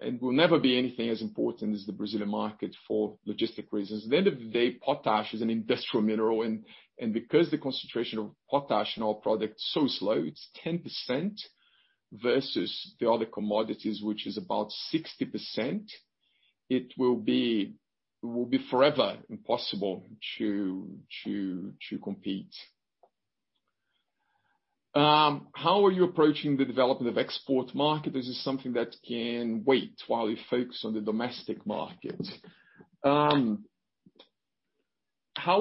and will never be anything as important as the Brazilian market for logistic reasons. At the end of the day, potash is an industrial mineral, and because the concentration of potash in our product is so low, it's 10% versus the other commodities, which is about 60%, it will be forever impossible to compete. How are you approaching the development of export market? This is something that can wait while you focus on the domestic market. How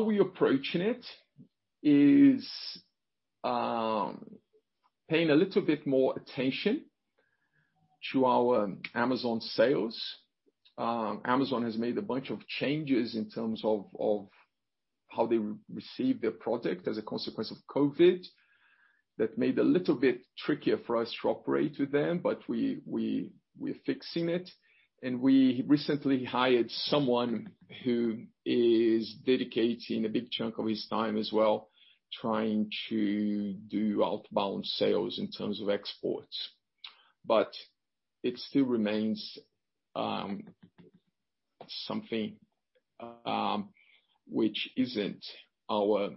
we are approaching it is paying a little bit more attention to our Amazon sales. Amazon has made a bunch of changes in terms of how they receive their product as a consequence of COVID. That made a little bit trickier for us to operate with them, but we're fixing it. We recently hired someone who is dedicating a big chunk of his time as well, trying to do outbound sales in terms of exports. It still remains something which isn't our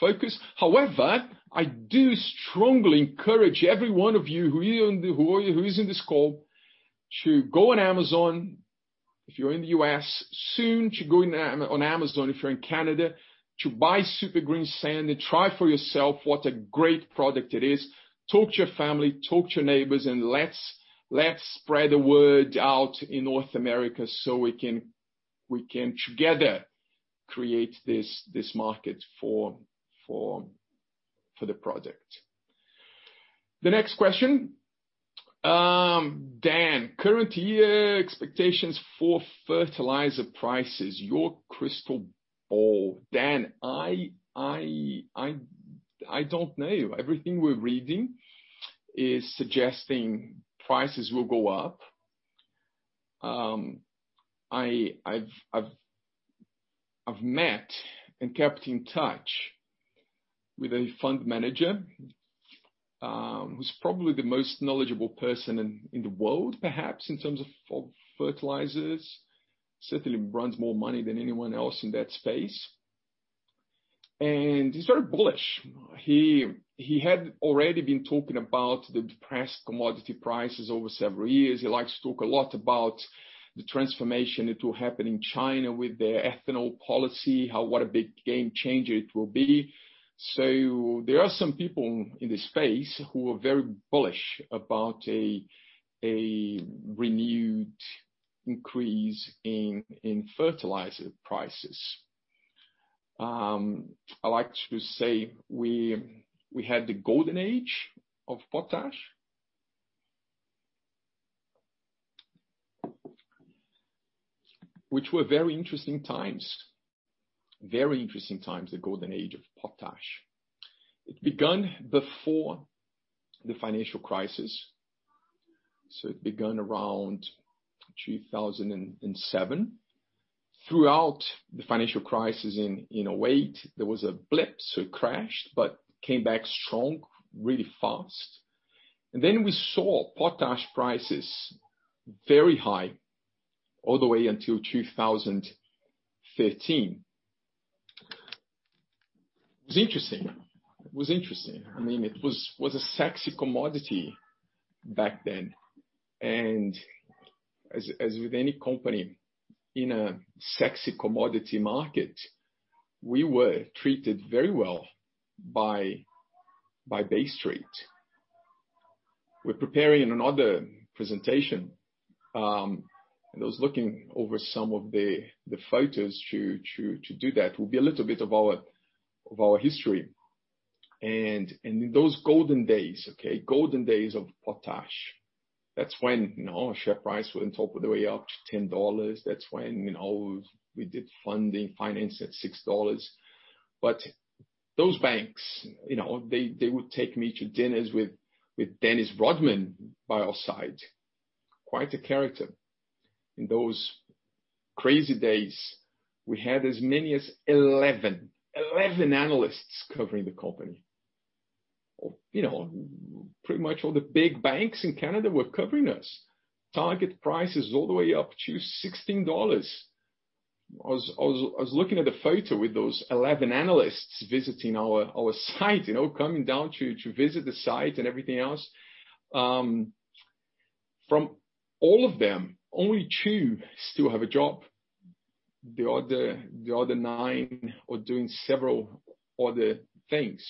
focus. However, I do strongly encourage every one of you who is in this call to go on Amazon, if you're in the U.S., soon to go on Amazon, if you're in Canada, to buy Super Greensand and try for yourself what a great product it is. Talk to your family, talk to your neighbors, and let's spread the word out in North America so we can together create this market for the product. The next question. Dan, current year expectations for fertilizer prices, your crystal ball. Dan, I don't know. Everything we're reading is suggesting prices will go up. I've met and kept in touch with a fund manager, who's probably the most knowledgeable person in the world, perhaps, in terms of fertilizers. Certainly runs more money than anyone else in that space. He's very bullish. He had already been talking about the depressed commodity prices over several years. He likes to talk a lot about the transformation that will happen in China with their ethanol policy, what a big game changer it will be. There are some people in this space who are very bullish about a renewed increase in fertilizer prices. I like to say we had the golden age of potash, which were very interesting times. Very interesting times, the golden age of potash. It begun before the financial crisis, so it begun around 2007. Throughout the financial crisis in '08, there was a blip, so it crashed, but came back strong, really fast. Then we saw potash prices very high all the way until 2013. It was interesting. It was interesting. It was a sexy commodity back then. As with any company in a sexy commodity market, we were treated very well by Bay Street. We're preparing another presentation, and I was looking over some of the photos to do that. It will be a little bit of our history. In those golden days, okay? Golden days of potash. That's when our share price went all the way up to 10 dollars. That's when we did funding, financing at 6 dollars. Those banks, they would take me to dinners with Dennis Rodman by our side. Quite a character. In those crazy days, we had as many as 11 analysts covering the company. Pretty much all the big banks in Canada were covering us. Target prices all the way up to 16 dollars. I was looking at the photo with those 11 analysts visiting our site. Coming down to visit the site and everything else. From all of them, only two still have a job. The other nine are doing several other things.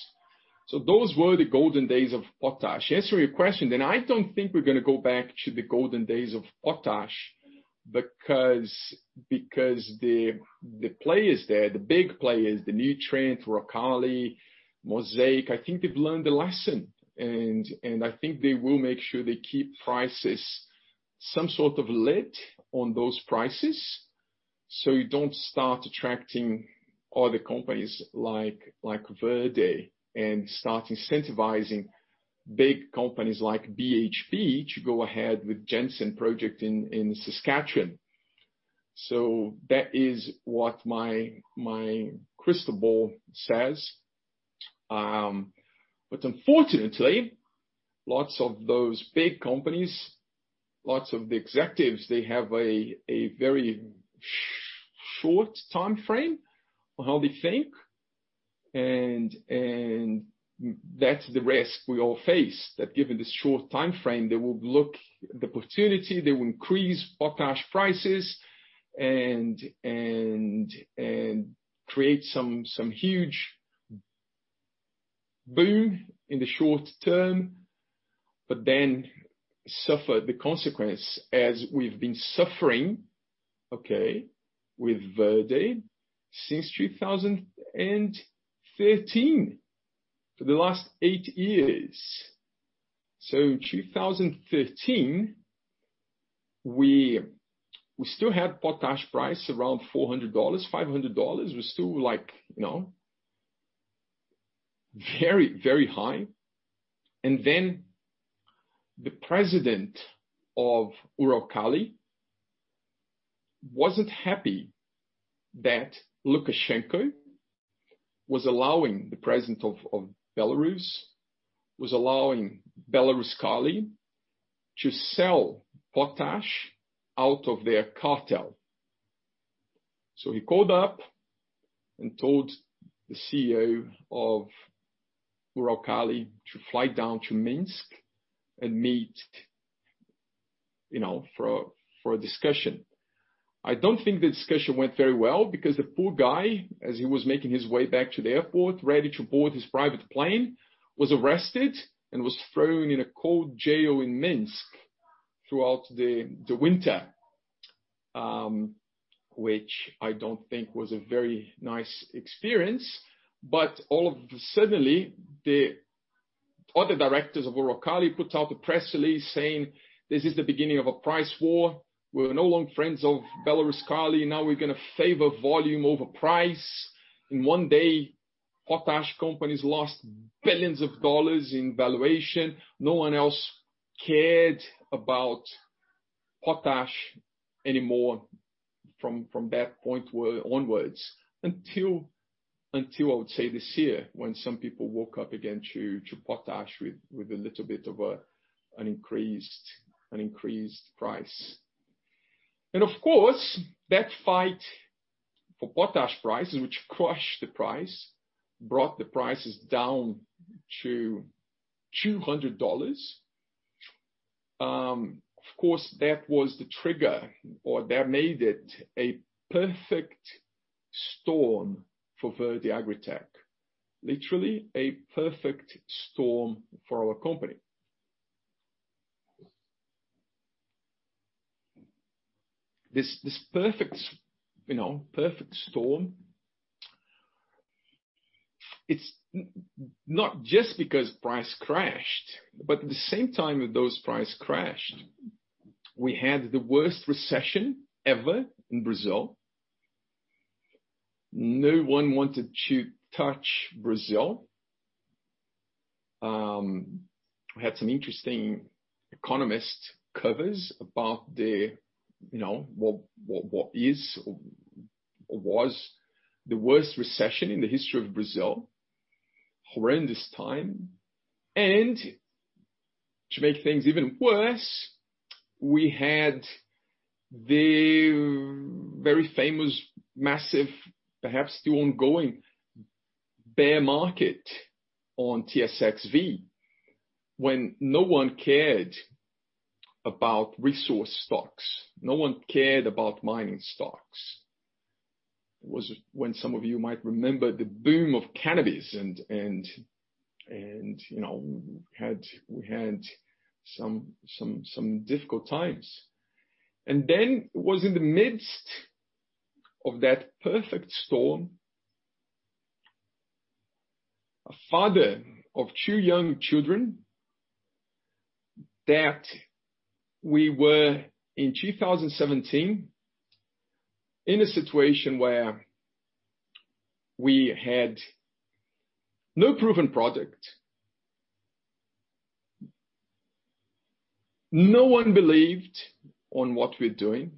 Those were the golden days of potash. To answer your question then, I don't think we're going to go back to the golden days of potash because the players there, the big players, the Nutrien, Uralkali, Mosaic, I think they've learned a lesson and I think they will make sure they keep prices, some sort of lid on those prices, so you don't start attracting other companies like Verde and start incentivizing big companies like BHP to go ahead with Jansen Project in Saskatchewan. That is what my crystal ball says. Unfortunately, lots of those big companies, lots of the executives, they have a very short timeframe on how they think and that's the risk we all face. Given this short timeframe, they will look at the opportunity, they will increase potash prices and create some huge boom in the short term, but then suffer the consequence as we've been suffering with Verde since 2013. For the last eight years. 2013, we still had potash price around 400 dollars, 500 dollars. The president of Uralkali wasn't happy that Lukashenko, the President of Belarus, was allowing Belaruskali to sell potash out of their cartel. He called up and told the CEO of Uralkali to fly down to Minsk and meet for a discussion. I don't think the discussion went very well because the poor guy, as he was making his way back to the airport ready to board his private plane, was arrested and was thrown in a cold jail in Minsk throughout the winter, which I don't think was a very nice experience. All of a sudden, the other directors of Uralkali put out a press release saying, "This is the beginning of a price war. We're no longer friends of Belaruskali. Now we're going to favor volume over price." In one day, potash companies lost billions of dollars in valuation. No one else cared about potash anymore from that point onwards until, I would say, this year when some people woke up again to potash with a little bit of an increased price. Of course, that fight for potash prices, which crushed the price, brought the prices down to CAD 200. Of course, that was the trigger, or that made it a perfect storm for Verde AgriTech. Literally, a perfect storm for our company. This perfect storm, it's not just because price crashed, but at the same time that those price crashed, we had the worst recession ever in Brazil. No one wanted to touch Brazil. We had some interesting economist covers about what is or was the worst recession in the history of Brazil. Horrendous time. To make things even worse, we had the very famous, massive, perhaps still ongoing bear market on TSXV, when no one cared about resource stocks. No one cared about mining stocks. It was when some of you might remember the boom of cannabis and we had some difficult times. It was in the midst of that perfect storm, a father of two young children, that we were in 2017, in a situation where we had no proven product. No one believed on what we're doing.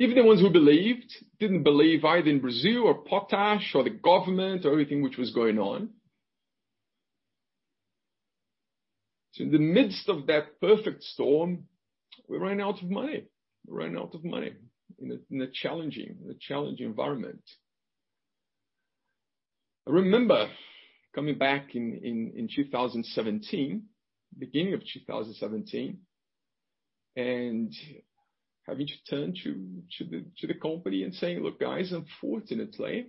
Even the ones who believed, didn't believe either in Brazil or potash or the government or everything which was going on. In the midst of that perfect storm, we ran out of money. We ran out of money in a challenging environment. I remember coming back in 2017, beginning of 2017, and having to turn to the company and saying, "Look, guys, unfortunately,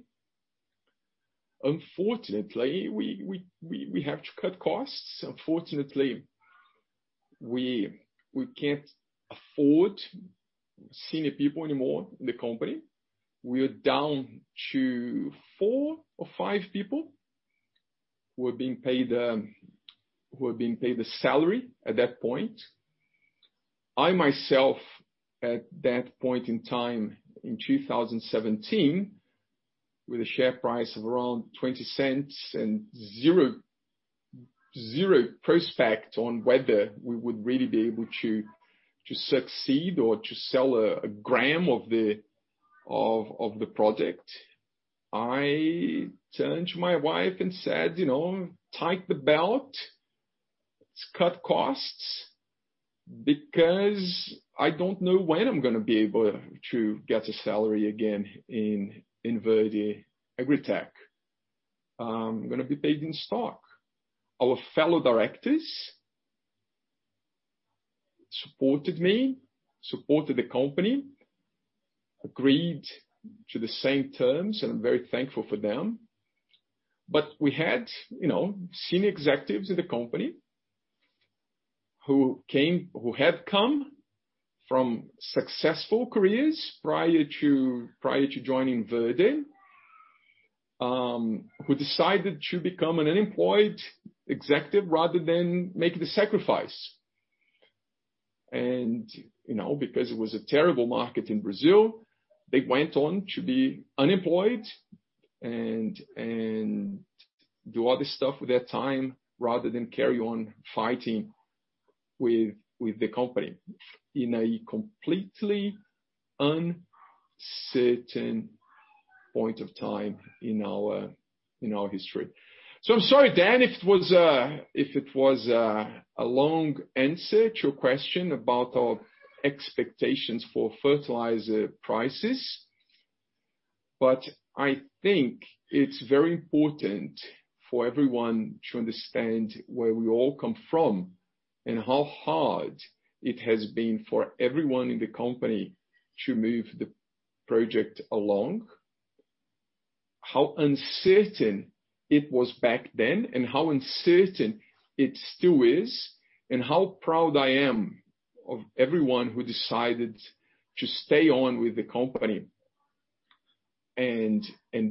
we have to cut costs. Unfortunately, we can't afford senior people anymore in the company." We are down to four or five people who are being paid a salary at that point. I myself, at that point in time, in 2017, with a share price of around 0.20 and zero prospect on whether we would really be able to succeed or to sell a gram of the product. I turned to my wife and said, "Tighten the belt. Let's cut costs because I don't know when I'm going to be able to get a salary again in Verde AgriTech. I'm going to be paid in stock." Our fellow directors supported me, supported the company, agreed to the same terms, and I'm very thankful for them. We had senior executives in the company who had come from successful careers prior to joining Verde, who decided to become an unemployed executive rather than make the sacrifice. Because it was a terrible market in Brazil, they went on to be unemployed and do other stuff with their time rather than carry on fighting with the company in a completely uncertain point of time in our history. I'm sorry, Dan, if it was a long answer to your question about our expectations for fertilizer prices. I think it's very important for everyone to understand where we all come from and how hard it has been for everyone in the company to move the project along. How uncertain it was back then, and how uncertain it still is, and how proud I am of everyone who decided to stay on with the company and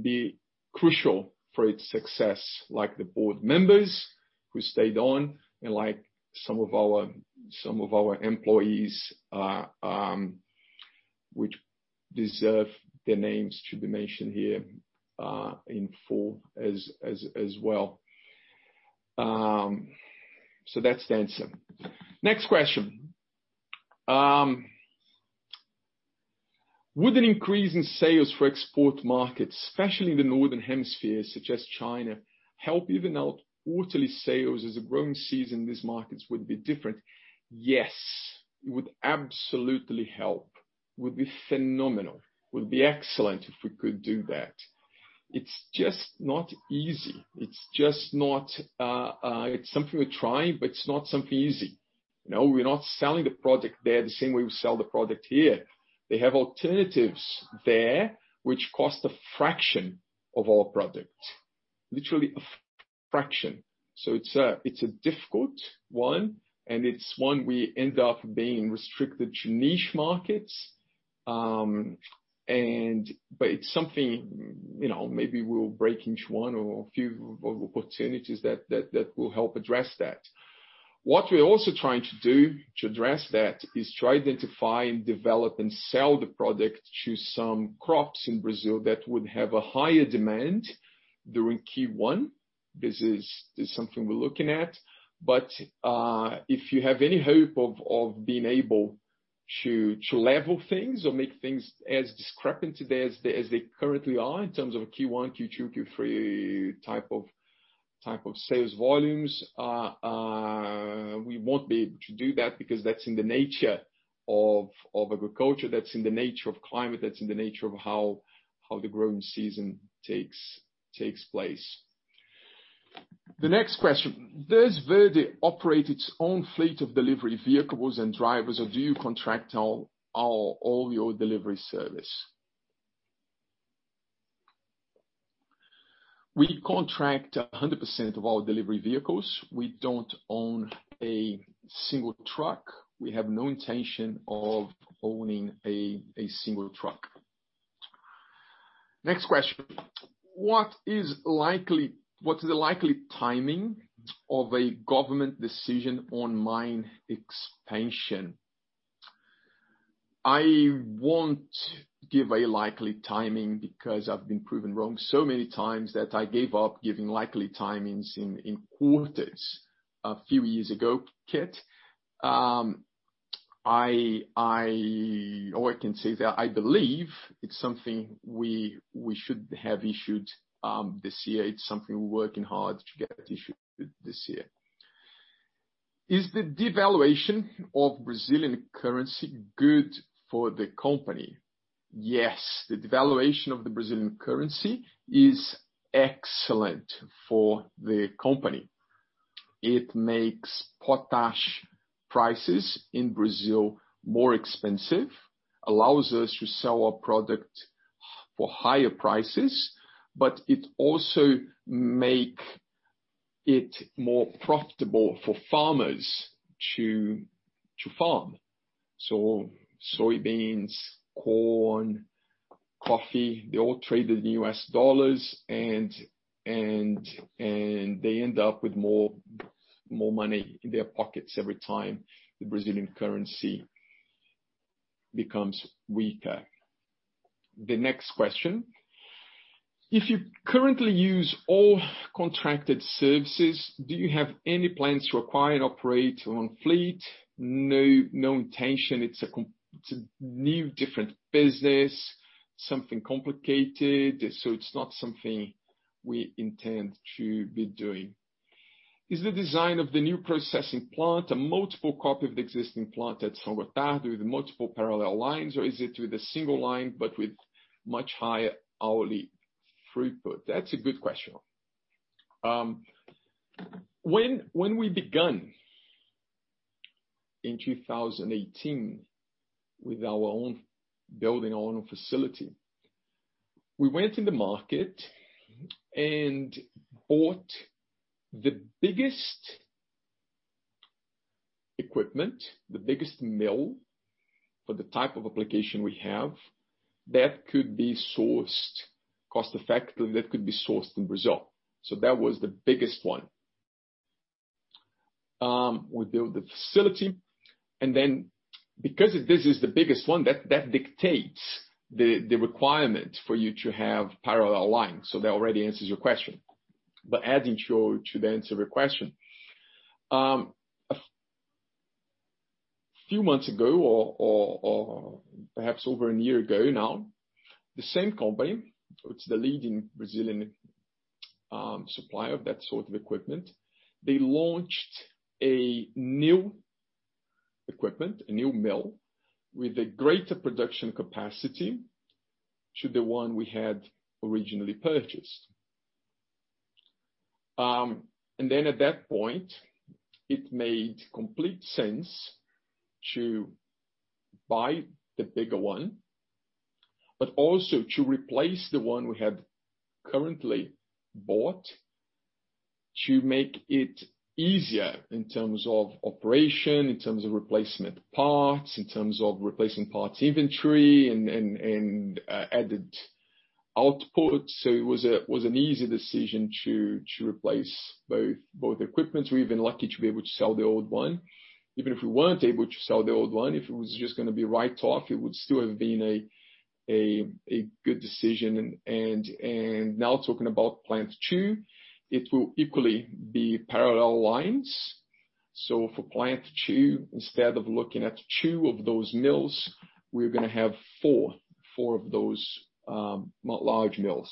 be crucial for its success, like the board members who stayed on, and like some of our employees, which deserve their names to be mentioned here in full as well. That's the answer. Next question. Would an increase in sales for export markets, especially in the northern hemisphere, such as China, help even out quarterly sales as a growing season in these markets would be different? Yes. It would absolutely help. Would be phenomenal. Would be excellent if we could do that. It's just not easy. It's something we're trying, but it's not something easy. We're not selling the product there the same way we sell the product here. They have alternatives there which cost a fraction of our product. Literally a fraction. It's a difficult one, and it's one we end up being restricted to niche markets. It's something, maybe we'll break into one or a few opportunities that will help address that. What we're also trying to do to address that is to identify and develop and sell the product to some crops in Brazil that would have a higher demand during Q1. This is something we're looking at. If you have any hope of being able to level things or make things as discrepant as they currently are in terms of Q1, Q2, Q3 type of sales volumes, we won't be able to do that because that's in the nature of agriculture. That's in the nature of climate. That's in the nature of how the growing season takes place. The next question: Does Verde operate its own fleet of delivery vehicles and drivers, or do you contract all your delivery service? We contract 100% of our delivery vehicles. We don't own a single truck. We have no intention of owning a single truck. Next question. What is the likely timing of a government decision on mine expansion? I won't give a likely timing because I've been proven wrong so many times that I gave up giving likely timings in quarters a few years ago, Kit. All I can say is that I believe it's something we should have issued this year. It's something we're working hard to get issued this year. Is the devaluation of Brazilian currency good for the company? Yes, the devaluation of the Brazilian currency is excellent for the company. It makes potash prices in Brazil more expensive, allows us to sell our product for higher prices, but it also make it more profitable for farmers to farm. Soybeans, corn, coffee, they all trade in U.S. dollars and they end up with more money in their pockets every time the Brazilian currency becomes weaker. The next question. If you currently use all contracted services, do you have any plans to acquire and operate your own fleet? No intention. It's a new different business, something complicated, it's not something we intend to be doing. Is the design of the new processing plant a multiple copy of the existing plant at São Gotardo with multiple parallel lines, or is it with a single line but with much higher hourly throughput? That's a good question. When we begun in 2018 with our own building, our own facility, we went in the market and bought the biggest equipment, the biggest mill for the type of application we have that could be sourced cost-effective, that could be sourced in Brazil. That was the biggest one. We built the facility, then because this is the biggest one, that dictates the requirement for you to have parallel lines. That already answers your question. Adding to the answer of your question. A few months ago or perhaps over a year ago now, the same company, it's the leading Brazilian supplier of that sort of equipment, they launched a new equipment, a new mill, with a greater production capacity to the one we had originally purchased. At that point, it made complete sense to buy the bigger one, but also to replace the one we had currently bought to make it easier in terms of operation, in terms of replacement parts, in terms of replacing parts inventory and added output. It was an easy decision to replace both equipments. We've been lucky to be able to sell the old one. Even if we weren't able to sell the old one, if it was just going to be write-off, it would still have been a good decision. Now talking about Plant 2, it will equally be parallel lines. For Plant 2, instead of looking at two of those mills, we're going to have four of those large mills.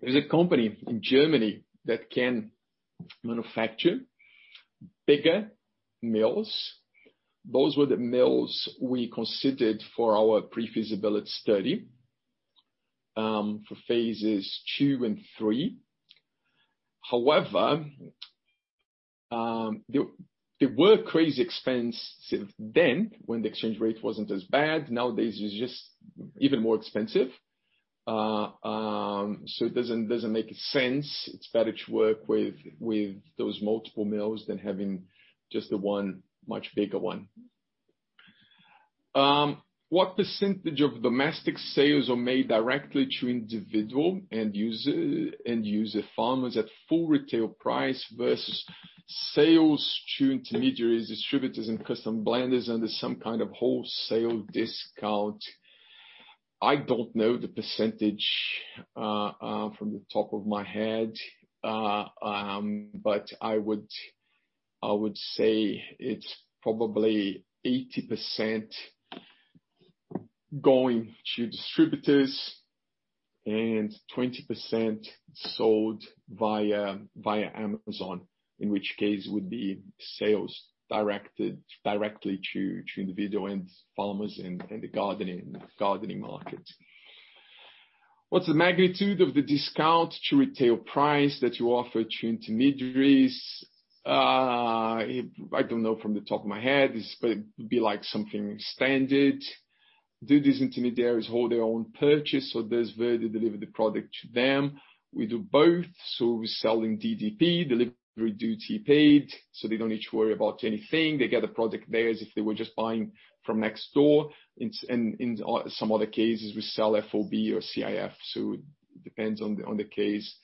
There's a company in Germany that can manufacture bigger mills. Those were the mills we considered for our pre-feasibility study for phases two and three. However, they were crazy expensive then, when the exchange rate wasn't as bad. Nowadays, it's just even more expensive. It doesn't make sense. It's better to work with those multiple mills than having just the one much bigger one. What percentage of domestic sales are made directly to individual end user farmers at full retail price versus sales to intermediaries, distributors, and custom blenders under some kind of wholesale discount? I don't know the percentage from the top of my head. I would say it's probably 80% going to distributors and 20% sold via Amazon, in which case would be sales directed directly to individual end farmers in the gardening market. What's the magnitude of the discount to retail price that you offer to intermediaries? I don't know from the top of my head, but it would be something standard. Do these intermediaries hold their own purchase, or does Verde deliver the product to them? We do both, so we sell in DDP, delivery duty paid, so they don't need to worry about anything. They get the product there as if they were just buying from next door. In some other cases, we sell FOB or CIF. It depends on the case.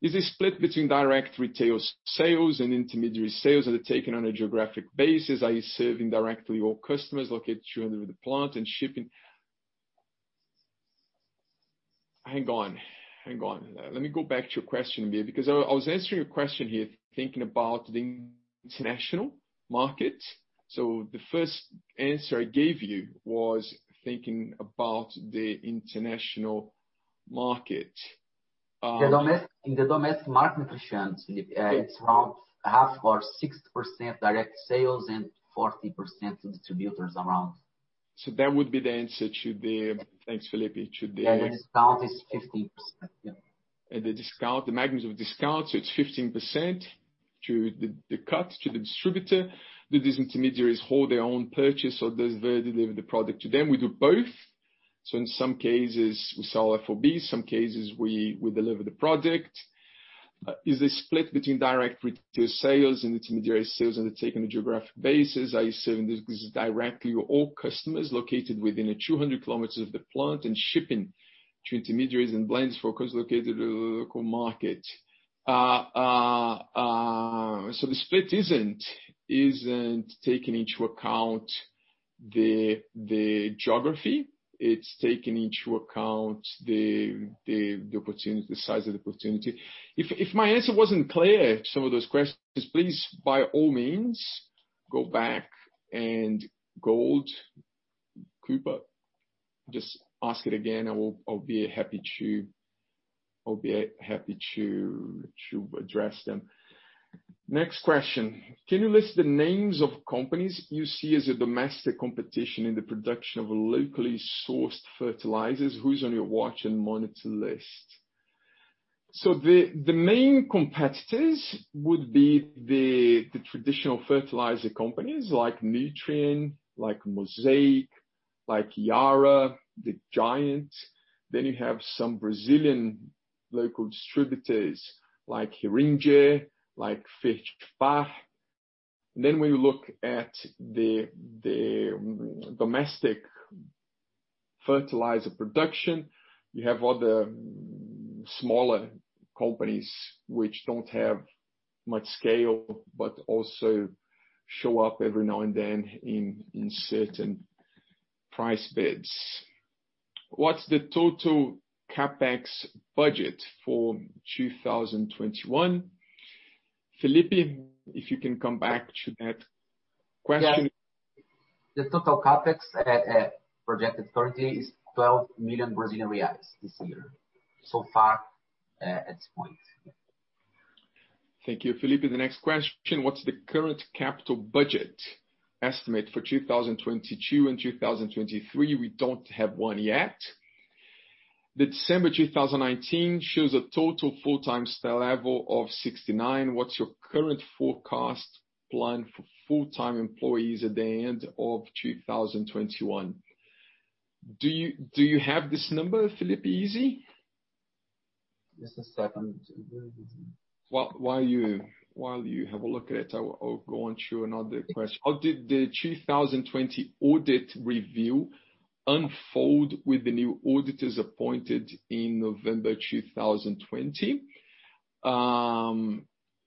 Is it split between direct retail sales and intermediary sales? Are they taken on a geographic basis? Are you serving directly all customers located within 200 km of the plant and shipping? Let me go back to your question a bit, because I was answering your question here thinking about the international market. The first answer I gave you was thinking about the international market. In the domestic market, Cristian, Felipe, it's around half or 60% direct sales and 40% to distributors around. That would be the answer. Thanks, Felipe. Yeah, the discount is 15%. Yeah. The discount, the magnitude of discount, it's 15% to the cut to the distributor. Do these intermediaries hold their own purchase, or does Verde deliver the product to them? We do both. In some cases we sell FOB, some cases we deliver the product. Is it split between direct retail sales and intermediary sales? Are they taken on a geographic basis? Are you serving this directly or all customers located within 200 km of the plant and shipping to intermediaries and blends focus located within the local market. The split isn't taking into account the geography. It's taking into account the size of the opportunity. If my answer wasn't clear to some of those questions, please, by all means, go back and gold Cooper. Just ask it again. I'll be happy to address them. Next question: Can you list the names of companies you see as your domestic competition in the production of locally sourced fertilizers? Who's on your watch and monitor list? The main competitors would be the traditional fertilizer companies like Nutrien, like Mosaic, like Yara, the giants. You have some Brazilian local distributors like Heringer, like Fertipar. When you look at the domestic fertilizer production, you have other smaller companies which don't have much scale but also show up every now and then in certain price bids. What's the total CapEx budget for 2021? Felipe, if you can come back to that question. Yeah. The total CapEx at projected 30 is 12 million Brazilian reais this year so far at this point. Thank you, Felipe. The next question, what's the current capital budget estimate for 2022 and 2023? We don't have one yet. The December 2019 shows a total full-time staff level of 69. What's your current forecast plan for full-time employees at the end of 2021? Do you have this number, Felipe, easy? Just a second. While you have a look at it, I'll go on to another question. How did the 2020 audit review unfold with the new auditors appointed in November 2020?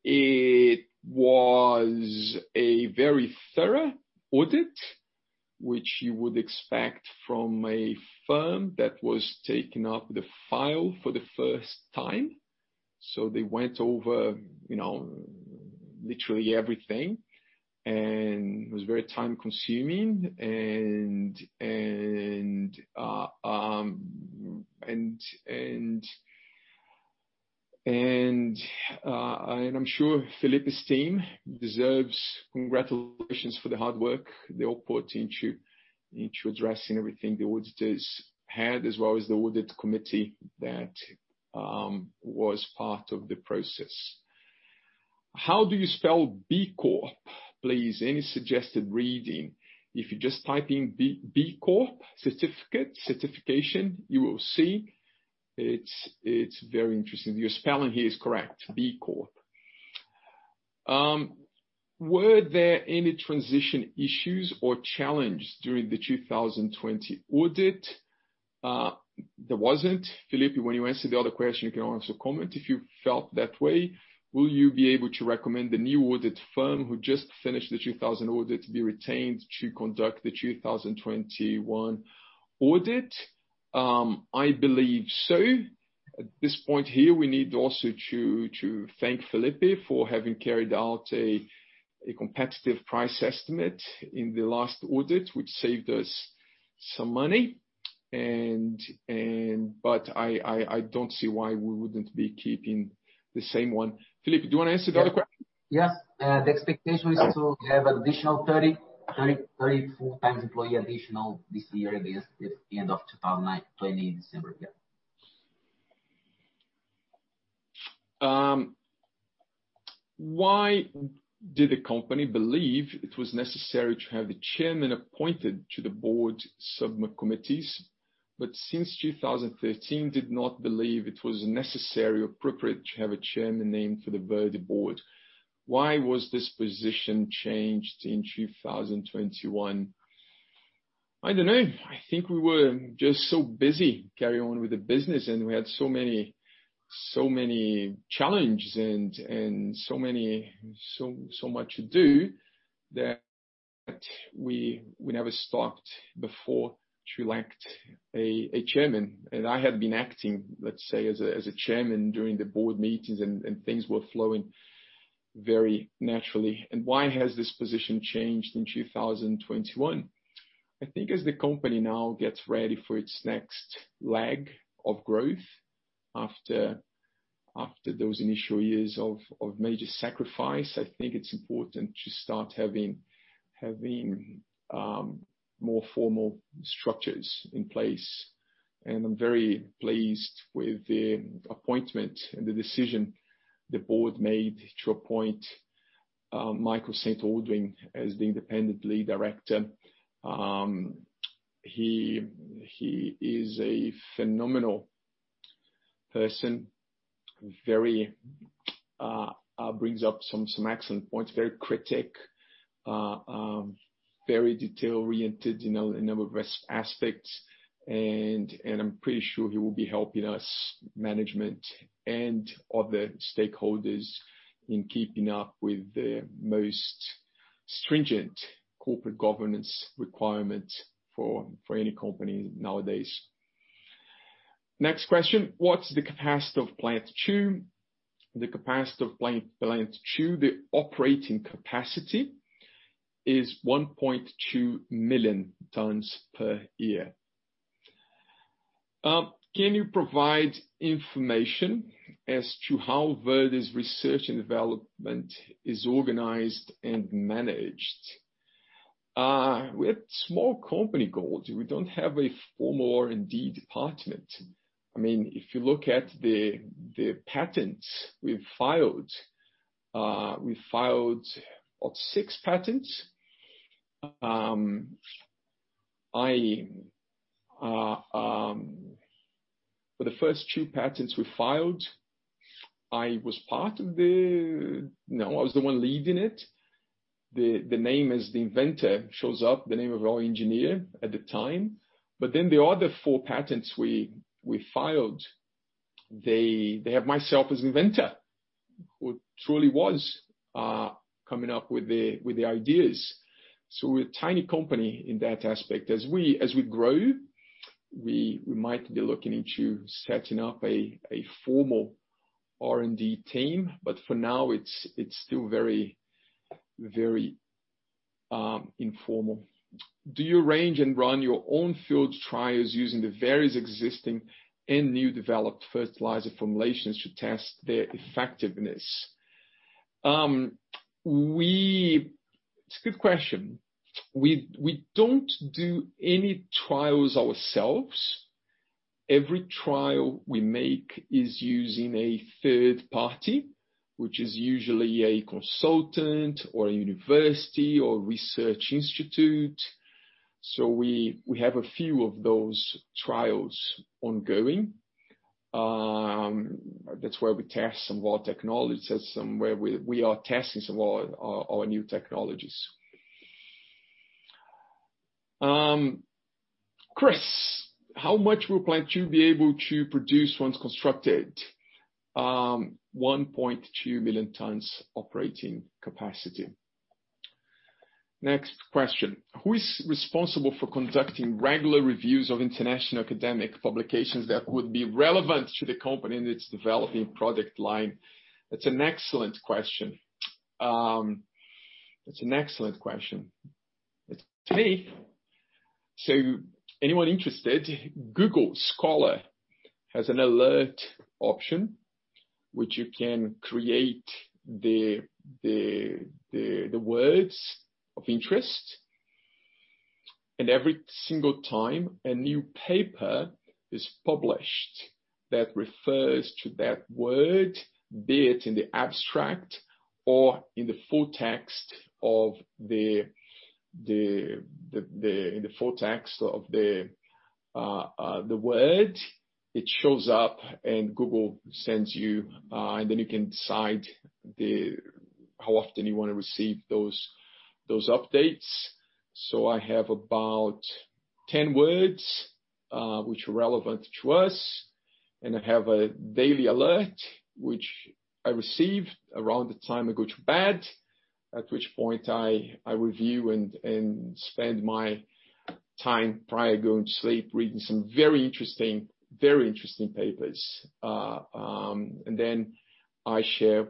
It was a very thorough audit, which you would expect from a firm that was taking up the file for the first time. They went over literally everything, and it was very time-consuming. I'm sure Felipe's team deserves congratulations for the hard work they all put into addressing everything the auditors had, as well as the audit committee that was part of the process. How do you spell B Corp, please? Any suggested reading? If you just type in B Corp certification, you will see. It's very interesting. Your spelling here is correct, B Corp. Were there any transition issues or challenges during the 2020 audit? There wasn't. Felipe, when you answer the other question, you can also comment if you felt that way. Will you be able to recommend the new audit firm who just finished the 2020 audit to be retained to conduct the 2021 audit? I believe so. At this point here, we need also to thank Felipe for having carried out a competitive price estimate in the last audit, which saved us some money. I don't see why we wouldn't be keeping the same one. Felipe, do you want to answer the other question? Yes. The expectation is to have additional 30, 34 full-time employee additional this year against the end of 2019, December, yeah. Why did the company believe it was necessary to have the chairman appointed to the board subcommittees, but since 2013 did not believe it was necessary or appropriate to have a chairman named for the Verde board? Why was this position changed in 2021? I don't know. I think we were just so busy carrying on with the business, and we had so many challenges and so much to do that we never stopped before to elect a chairman. I had been acting, let's say, as a chairman during the board meetings, and things were flowing very naturally. Why has this position changed in 2021? I think as the company now gets ready for its next leg of growth after those initial years of major sacrifice, I think it's important to start having more formal structures in place, and I'm very pleased with the appointment and the decision the board made to appoint Michael St. Aldwyn as the independent lead director. He is a phenomenal person. Brings up some excellent points. Very critic, very detail-oriented in a number of aspects, I'm pretty sure he will be helping us, management, and other stakeholders in keeping up with the most stringent corporate governance requirements for any company nowadays. Next question. What's the capacity of Plant 2? The capacity of Plant 2, the operating capacity is 1.2 million tonnes per year. Can you provide information as to how Verde's research and development is organized and managed? We're a small company, Goldy. We don't have a formal R&D department. If you look at the patents we've filed, we've filed about six patents. For the first two patents we filed, I was the one leading it. The name as the inventor shows up, the name of our engineer at the time. The other four patents we filed, they have myself as inventor, who truly was coming up with the ideas. We're a tiny company in that aspect. As we grow, we might be looking into setting up a formal R&D team, but for now, it's still very informal. Do you arrange and run your own field trials using the various existing and new developed fertilizer formulations to test their effectiveness? It's a good question. We don't do any trials ourselves. Every trial we make is using a third party, which is usually a consultant or a university or research institute. We have a few of those trials ongoing. That's where we test some of our technologies. That's where we are testing some of our new technologies. Chris, how much will Plant 2 be able to produce once constructed? 1.2 million tonnes operating capacity. Next question. Who is responsible for conducting regular reviews of international academic publications that would be relevant to the company and its developing product line? That's an excellent question. It's me. Anyone interested, Google Scholar has an alert option, which you can create the words of interest, and every single time a new paper is published that refers to that word, be it in the abstract or in the full text of the word, it shows up and Google sends you, and then you can decide how often you want to receive those updates. I have about 10 words, which are relevant to us, and I have a daily alert, which I receive around the time I go to bed, at which point I review and spend my time prior going to sleep reading some very interesting papers. I share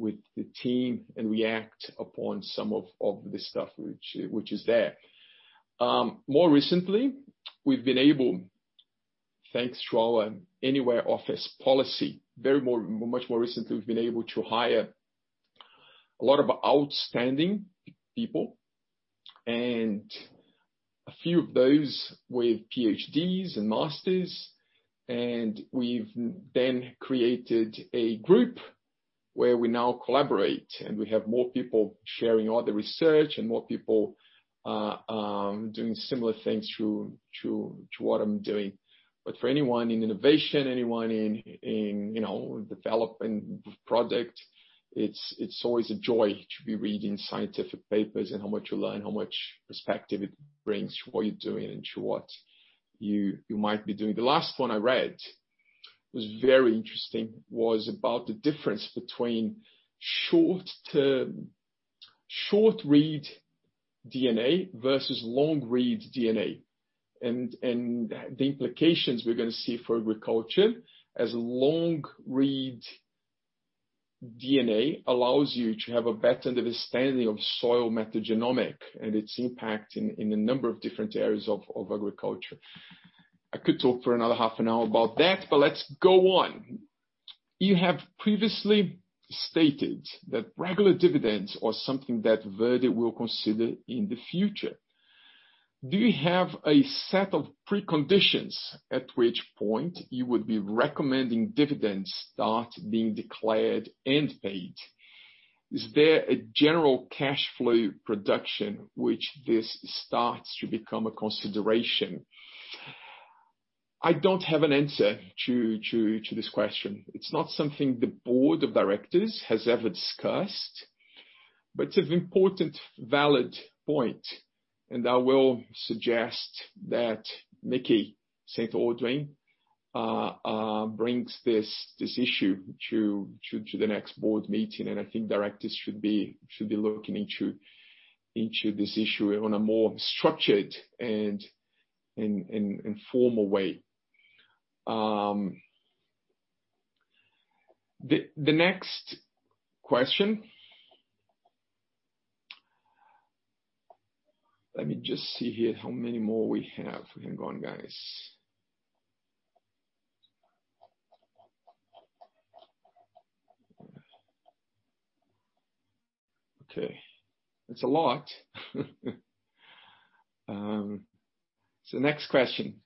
with the team and react upon some of the stuff which is there. More recently, we've been able, thanks to our anywhere office policy, much more recently, we've been able to hire a lot of outstanding people, and a few of those with PhDs and master's. We've then created a group where we now collaborate, and we have more people sharing all the research and more people doing similar things to what I'm doing. For anyone in innovation, anyone in development project, it's always a joy to be reading scientific papers and how much you learn, how much perspective it brings to what you're doing and to what you might be doing. The last one I read was very interesting. It was about the difference between short read DNA versus long read DNA, and the implications we're going to see for agriculture as long read DNA allows you to have a better understanding of soil metagenomics and its impact in a number of different areas of agriculture. I could talk for another half an hour about that. Let's go on. You have previously stated that regular dividends are something that Verde will consider in the future. Do you have a set of preconditions at which point you would be recommending dividends start being declared and paid? Is there a general cash flow production which this starts to become a consideration? I don't have an answer to this question. It's not something the board of directors has ever discussed. It's an important, valid point, and I will suggest that Mickey St. Aldwyn brings this issue to the next board meeting. I think directors should be looking into this issue on a more structured and formal way. The next question. Let me just see here how many more we have. Hang on, guys. Okay. That's a lot. Next question.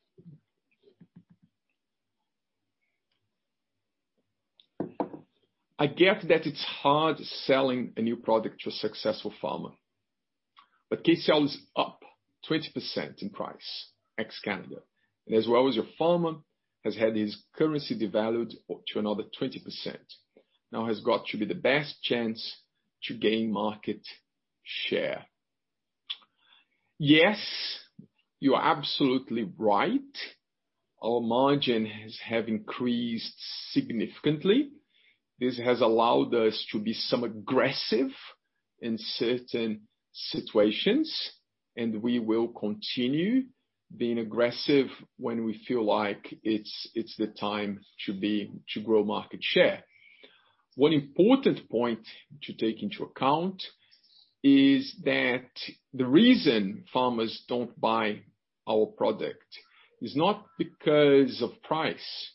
I get that it's hard selling a new product to a successful farmer, but KCl is up 20% in price ex Canada. As well as your farmer has had his currency devalued to another 20%, now has got to be the best chance to gain market share. Yes, you are absolutely right. Our margin has increased significantly. This has allowed us to be somewhat aggressive in certain situations. We will continue being aggressive when we feel like it's the time to grow market share. One important point to take into account is that the reason farmers don't buy our product is not because of price.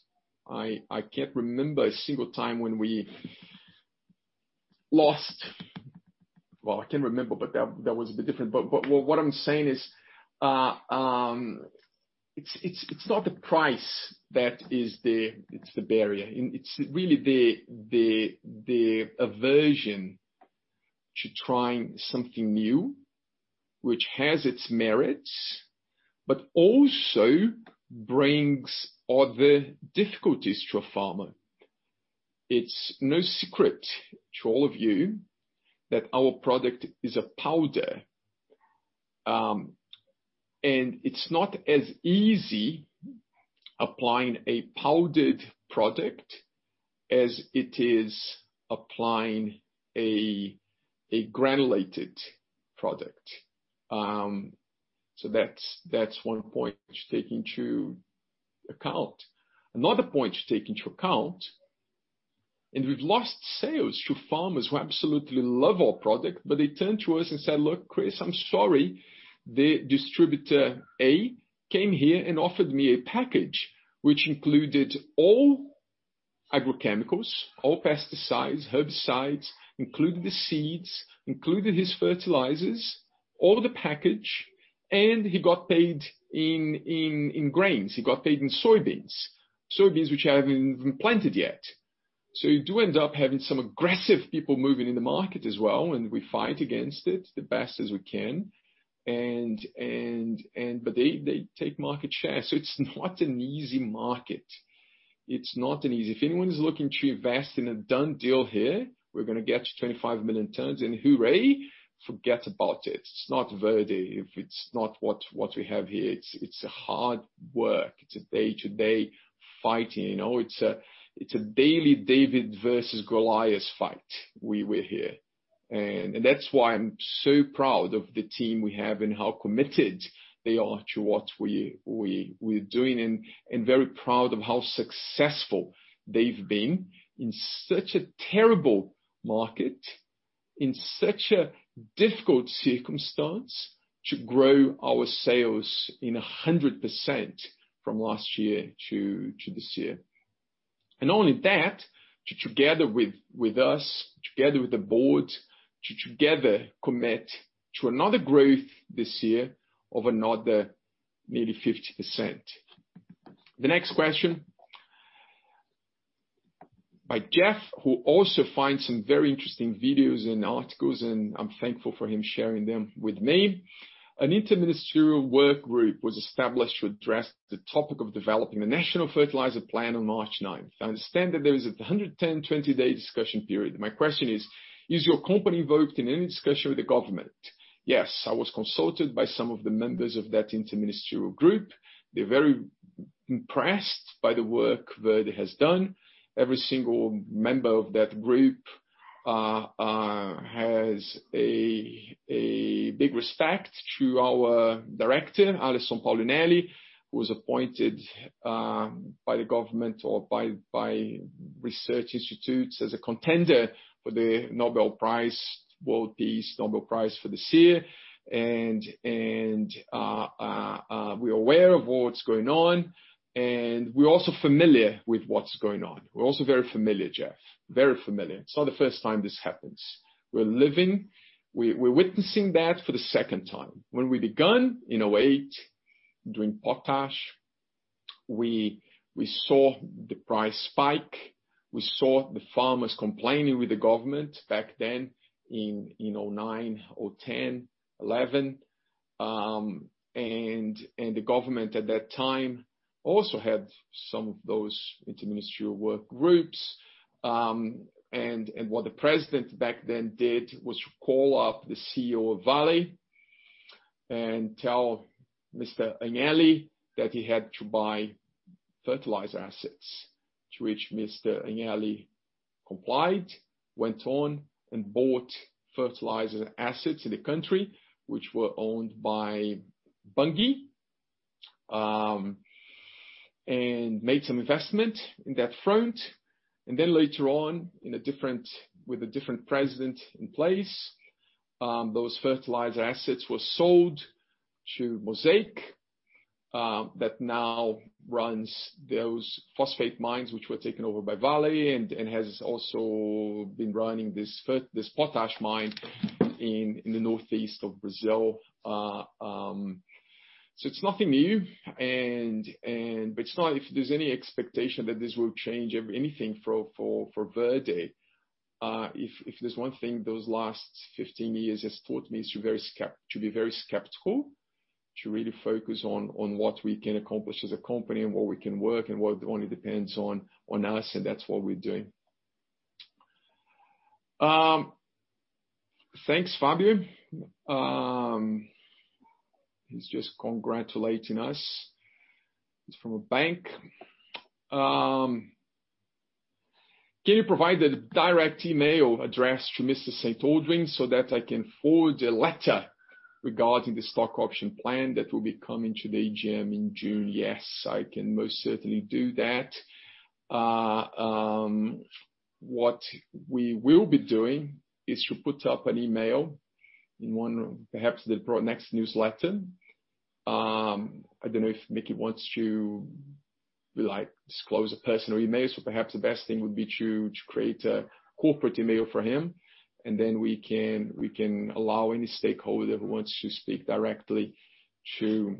I can't remember a single time when we lost Well, I can remember, That was a bit different. What I'm saying is, it's not the price that is the barrier. It's really the aversion to trying something new, which has its merits, Also brings other difficulties to a farmer. It's no secret to all of you that our product is a powder, It's not as easy applying a powdered product as it is applying a granulated product. That's one point to take into account. Another point to take into account, we've lost sales to farmers who absolutely love our product, but they turn to us and say, "Look, Chris, I'm sorry. The distributor A came here and offered me a package which included all agrochemicals, all pesticides, herbicides, included the seeds, included his fertilizers, all the package, and he got paid in grains. He got paid in soybeans which I haven't even planted yet." You do end up having some aggressive people moving in the market as well, and we fight against it the best as we can. They take market share. It's not an easy market. If anyone is looking to invest in a done deal here, we're going to get to 25 million tonnes and hooray, forget about it. It's not Verde if it's not what we have here. It's a hard work. It's a day-to-day fighting. It's a daily David versus Goliath fight we're here. That's why I'm so proud of the team we have and how committed they are to what we're doing, and very proud of how successful they've been in such a terrible market, in such a difficult circumstance to grow our sales in 100% from last year to this year. Not only that, to together with us, together with the board, to together commit to another growth this year of another nearly 50%. The next question by Jeff, who also finds some very interesting videos and articles, and I'm thankful for him sharing them with me. An inter-ministerial work group was established to address the topic of developing the national fertilizer plan on March 9th. I understand that there is a 110, 120-day discussion period. My question is: Is your company involved in any discussion with the government? Yes, I was consulted by some of the members of that inter-ministerial group. They're very impressed by the work Verde has done. Every single member of that group has a big respect to our Director, Alysson Paolinelli, who was appointed by the government or by research institutes as a contender for the Nobel Prize, World Peace Nobel Prize for this year. We're aware of what's going on, and we're also familiar with what's going on. We're also very familiar, Jeff. Very familiar. It's not the first time this happens. We're living, we're witnessing that for the second time. When we begun in 2008 doing potash, we saw the price spike. We saw the farmers complaining with the government back then in 2009, 2010, 2011. The government at that time also had some of those inter-ministerial work groups. What the president back then did was call up the CEO of Vale and tell Mr. Agnelli that he had to buy fertilizer assets. To which Mr. Agnelli complied, went on and bought fertilizer assets in the country, which were owned by Bunge, and made some investment in that front. Later on, with a different president in place, those fertilizer assets were sold to Mosaic, that now runs those phosphate mines, which were taken over by Vale and has also been running this potash mine in the northeast of Brazil. It's nothing new, but if there's any expectation that this will change anything for Verde, if there's one thing those last 15 years has taught me is to be very skeptical, to really focus on what we can accomplish as a company and what we can work and what only depends on us, and that's what we're doing. Thanks, Fabio. He's just congratulating us. He's from a bank. Can you provide the direct email address to Mr. St. Aldwyn so that I can forward a letter regarding the stock option plan that will be coming to the AGM in June? Yes, I can most certainly do that. What we will be doing is to put up an email in one, perhaps the next newsletter. I don't know if Mickey wants to disclose a personal email, so perhaps the best thing would be to create a corporate email for him, then we can allow any stakeholder who wants to speak directly to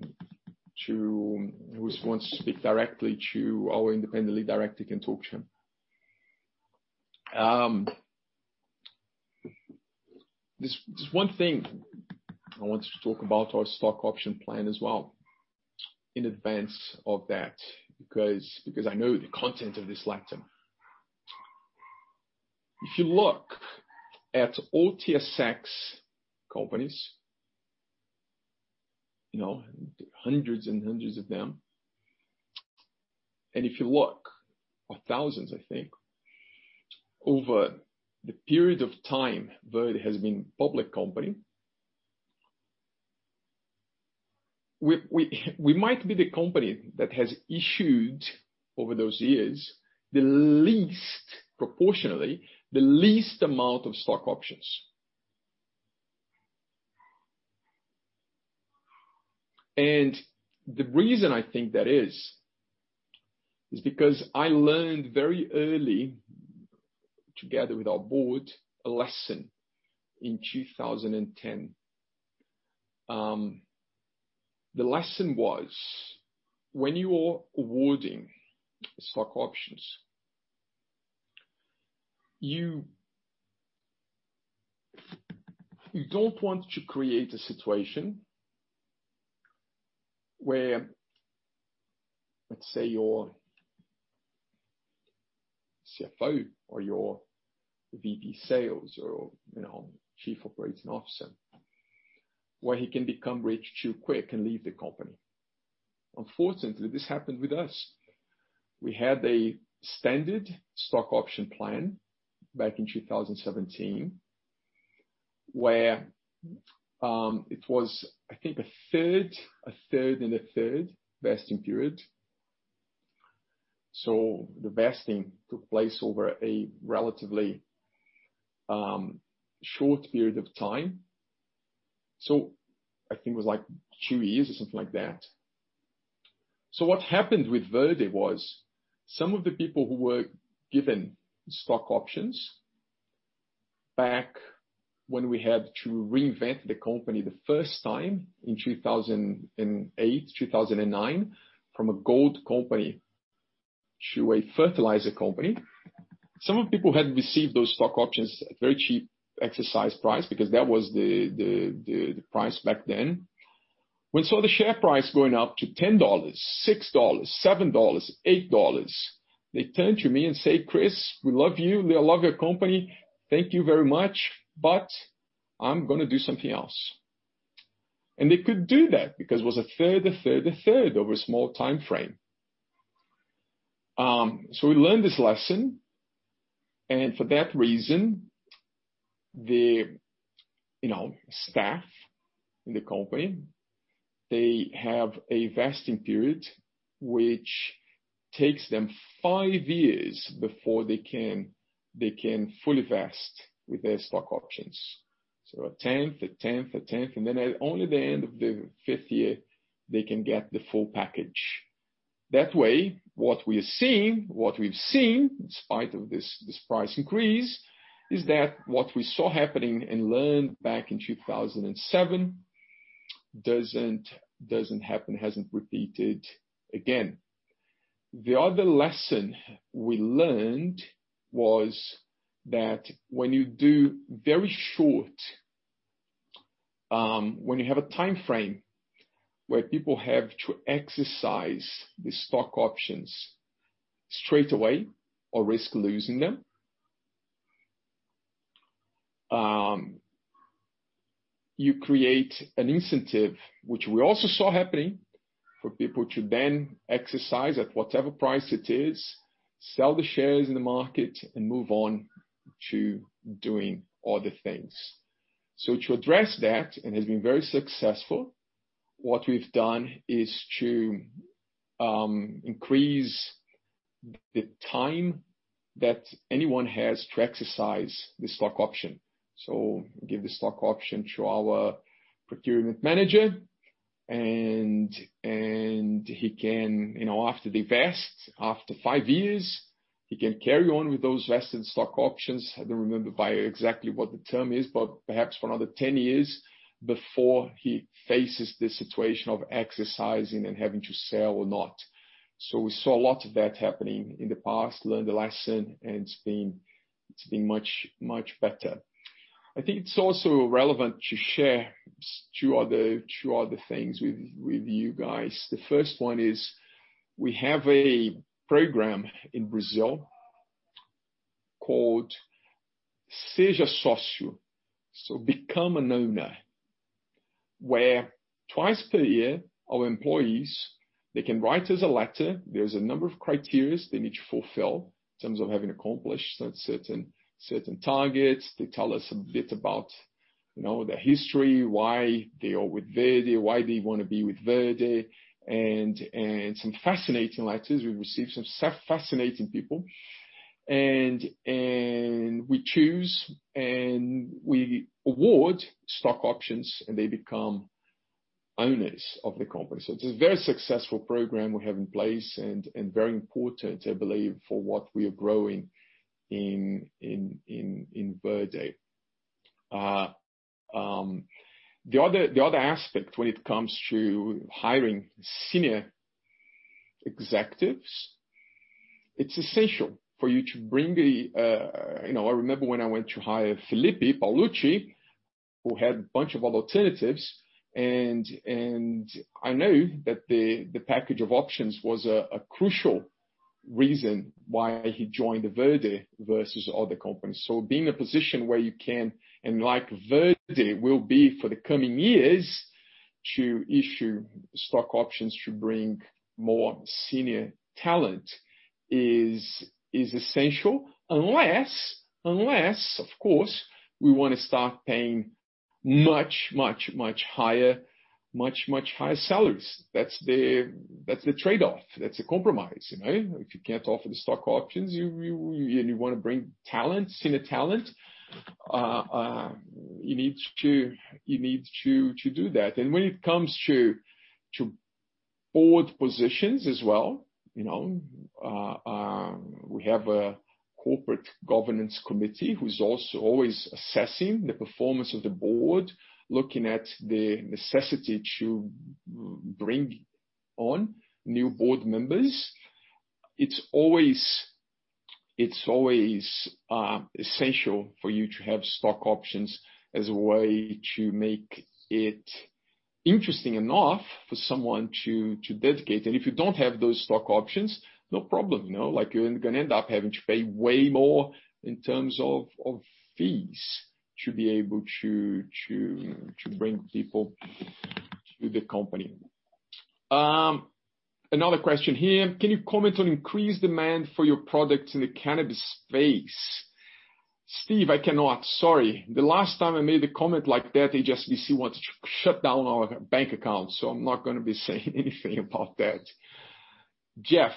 our Lead Independent Director can talk to him. There's one thing I wanted to talk about our stock option plan as well in advance of that, because I know the content of this letter. If you look at all TSX companies, hundreds and hundreds of them, and if you look, or thousands, I think, over the period of time Verde has been public company, we might be the company that has issued, over those years, proportionally, the least amount of stock options. The reason I think that is because I learned very early, together with our board, a lesson in 2010. The lesson was, when you are awarding stock options, you don't want to create a situation where, let say, your CFO or your VP sales or your chief operating officer, where he can become rich too quick and leave the company. Unfortunately, this happened with us. We had a standard stock option plan back in 2017, where it was, I think, 1/3, 1/3, and 1/3 vesting period. The vesting took place over a relatively short period of time. I think it was two years or something like that. What happened with Verde was some of the people who were given stock options back when we had to reinvent the company the first time in 2008, 2009, from a gold company to a fertilizer company, some of the people had received those stock options at very cheap exercise price, because that was the price back then. When saw the share price going up to 10 dollars, 6 dollars, 7 dollars, 8 dollars, they turned to me and said, "Chris, we love you. We love your company. Thank you very much, but I'm going to do something else." They could do that because it was 1/3, 1/3, 1/3 over a small timeframe. We learned this lesson, and for that reason, the staff in the company, they have a vesting period, which takes them five years before they can fully vest with their stock options. A tenth, a tenth, a tenth, and then at only the end of the fifth year, they can get the full package. That way, what we've seen in spite of this price increase, is that what we saw happening and learned back in 2007 doesn't happen, hasn't repeated again. The other lesson we learned was that when you have a timeframe where people have to exercise the stock options straight away or risk losing them, you create an incentive, which we also saw happening, for people to then exercise at whatever price it is, sell the shares in the market, and move on to doing other things. To address that, and has been very successful, what we've done is to increase the time that anyone has to exercise the stock option. Give the stock option to our procurement manager, and after they vest, after five years, he can carry on with those vested stock options, I don't remember exactly what the term is, but perhaps for another 10 years before he faces the situation of exercising and having to sell or not. We saw a lot of that happening in the past, learned the lesson, and it's been much better. I think it's also relevant to share two other things with you guys. The first one is we have a program in Brazil called Seja Sócio, so become an owner, where twice per year our employees, they can write us a letter. There's a number of criterias they need to fulfill in terms of having accomplished certain targets. They tell us a bit about their history, why they are with Verde, why they want to be with Verde, and some fascinating letters. We've received some fascinating people. We choose and we award stock options, and they become owners of the company. It's a very successful program we have in place and very important, I believe, for what we are growing in Verde. The other aspect when it comes to hiring senior executives, it's essential for you to bring. I remember when I went to hire Felipe Paolucci, who had a bunch of alternatives, and I know that the package of options was a crucial reason why he joined Verde versus other companies. Being in a position where you can, and like Verde will be for the coming years, to issue stock options to bring more senior talent is essential. Unless, of course, we want to start paying much higher salaries. That's the trade-off. That's the compromise. If you can't offer the stock options, and you want to bring senior talent, you need to do that. When it comes to board positions as well, we have a corporate governance committee who's always assessing the performance of the board, looking at the necessity to bring on new board members. It's always essential for you to have stock options as a way to make it interesting enough for someone to dedicate. If you don't have those stock options, no problem. You're going to end up having to pay way more in terms of fees to be able to bring people to the company. Another question here, can you comment on increased demand for your products in the cannabis space? Steve, I cannot. Sorry. The last time I made a comment like that, HSBC wanted to shut down our bank account, so I'm not going to be saying anything about that. Jeff,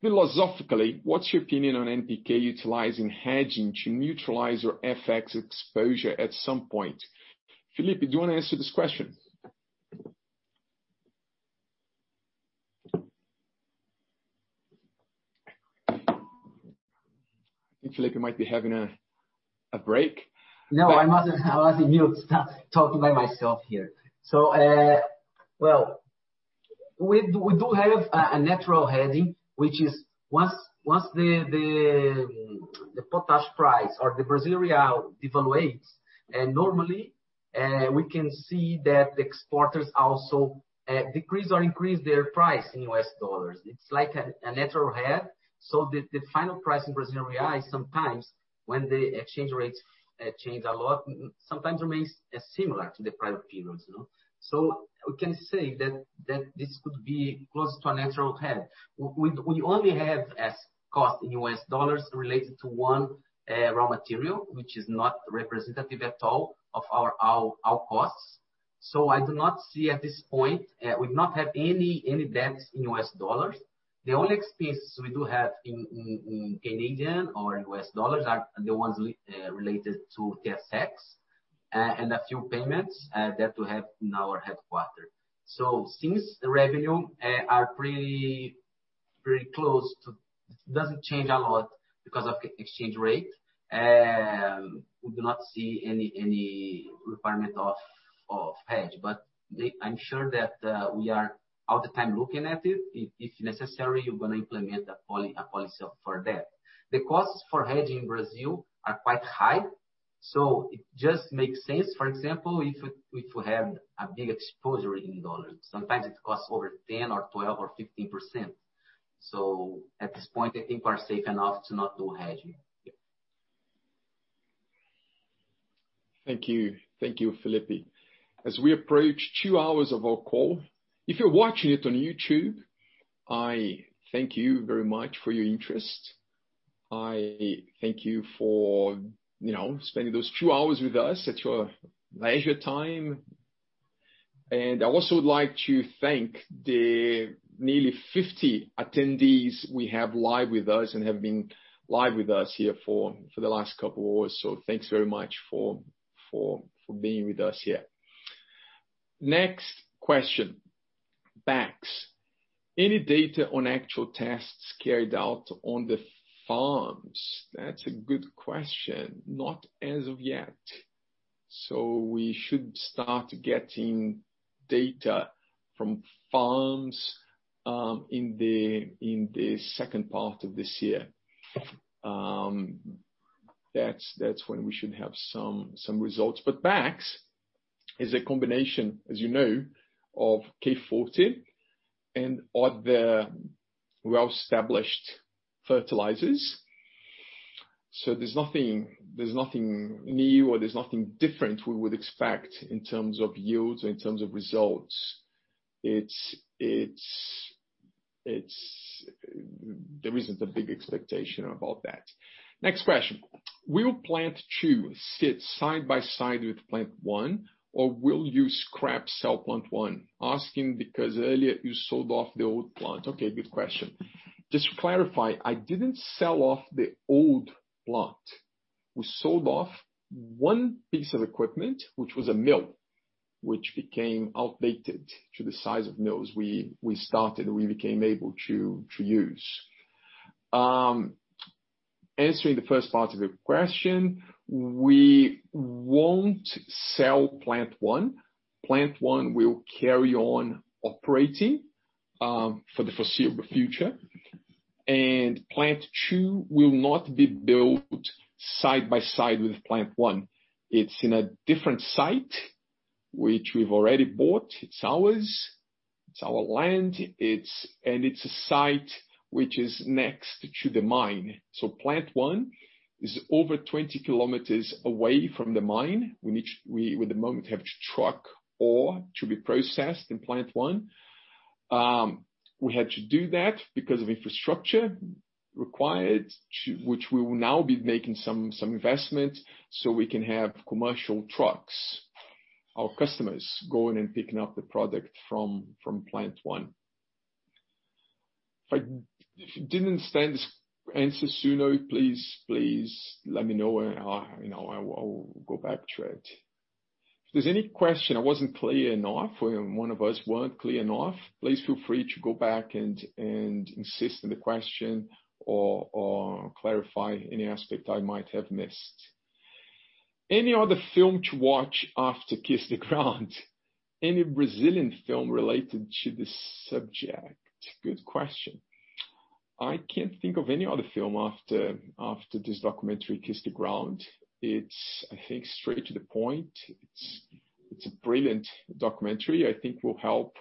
philosophically, what's your opinion on NPK utilizing hedging to neutralize your FX exposure at some point? Felipe, do you want to answer this question? I think Felipe might be having a break. No, I was in mute, talking by myself here. Well, we do have a natural hedging, which is once the potash price or the Brazilian real devaluates. Normally, we can see that exporters also decrease or increase their price in U.S. dollars. It's like a natural hedge. The final price in Brazilian real is sometimes when the exchange rates change a lot, sometimes remains similar to the prior periods. We can say that this could be close to a natural hedge. We only have as cost in U.S. dollars related to one raw material, which is not representative at all of our costs. I do not see at this point, we've not had any debts in U.S. dollars. The only expenses we do have in Canadian or U.S. dollars are the ones related to TSX and a few payments that we have in our headquarter. Since the revenue are pretty close to It doesn't change a lot because of exchange rate, we do not see any requirement of hedge. I'm sure that we are all the time looking at it. If necessary, we're going to implement a policy for that. The costs for hedging Brazil are quite high, so it just makes sense, for example, if we have a big exposure in dollars. Sometimes it costs over 10 or 12 or 15%. At this point, I think we're safe enough to not do hedging. Thank you. Thank you, Felipe. As we approach two hours of our call, if you're watching it on YouTube, I thank you very much for your interest. I thank you for spending those two hours with us at your leisure time. I also would like to thank the nearly 50 attendees we have live with us and have been live with us here for the last couple hours. Thanks very much for being with us here. Next question. BAKS. Any data on actual tests carried out on the farms? That's a good question. Not as of yet. We should start getting data from farms in the second part of this year. That's when we should have some results. BAKS is a combination, as you know, of K Forte and other well-established fertilizers. There's nothing new or there's nothing different we would expect in terms of yields, in terms of results. There isn't a big expectation about that. Next question. Will Plant 2 sit side by side with Plant 1, or will you scrap or sell Plant 1? Asking because earlier you sold off the old plant. Okay, good question. Just to clarify, I didn't sell off the old plant. We sold off one piece of equipment, which was a mill, which became outdated to the size of mills we became able to use. Answering the first part of your question. We won't sell Plant 1. Plant 1 will carry on operating for the foreseeable future. Plant 2 will not be built side by side with Plant 1. It's in a different site, which we've already bought. It's ours. It's our land. It's a site which is next to the mine. Plant 1 is over 20 km away from the mine, which we at the moment have to truck ore to be processed in Plant 1. We had to do that because of infrastructure required, which we will now be making some investments so we can have commercial trucks, our customers going and picking up the product from Plant 1. If you didn't understand this answer, Suno, please let me know and I will go back to it. If there's any question I wasn't clear enough or one of us weren't clear enough, please feel free to go back and insist on the question or clarify any aspect I might have missed. Any other film to watch after "Kiss the Ground?" Any Brazilian film related to this subject? Good question. I can't think of any other film after this documentary, "Kiss the Ground." It's, I think, straight to the point. It's a brilliant documentary. I think will help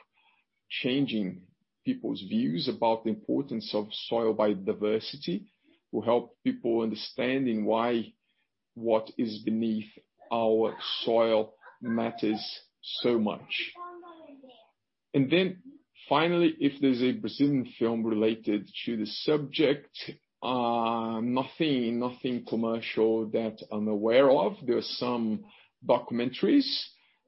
changing people's views about the importance of soil biodiversity, will help people understanding why what is beneath our soil matters so much. Finally, if there's a Brazilian film related to the subject, nothing commercial that I'm aware of. There are some documentaries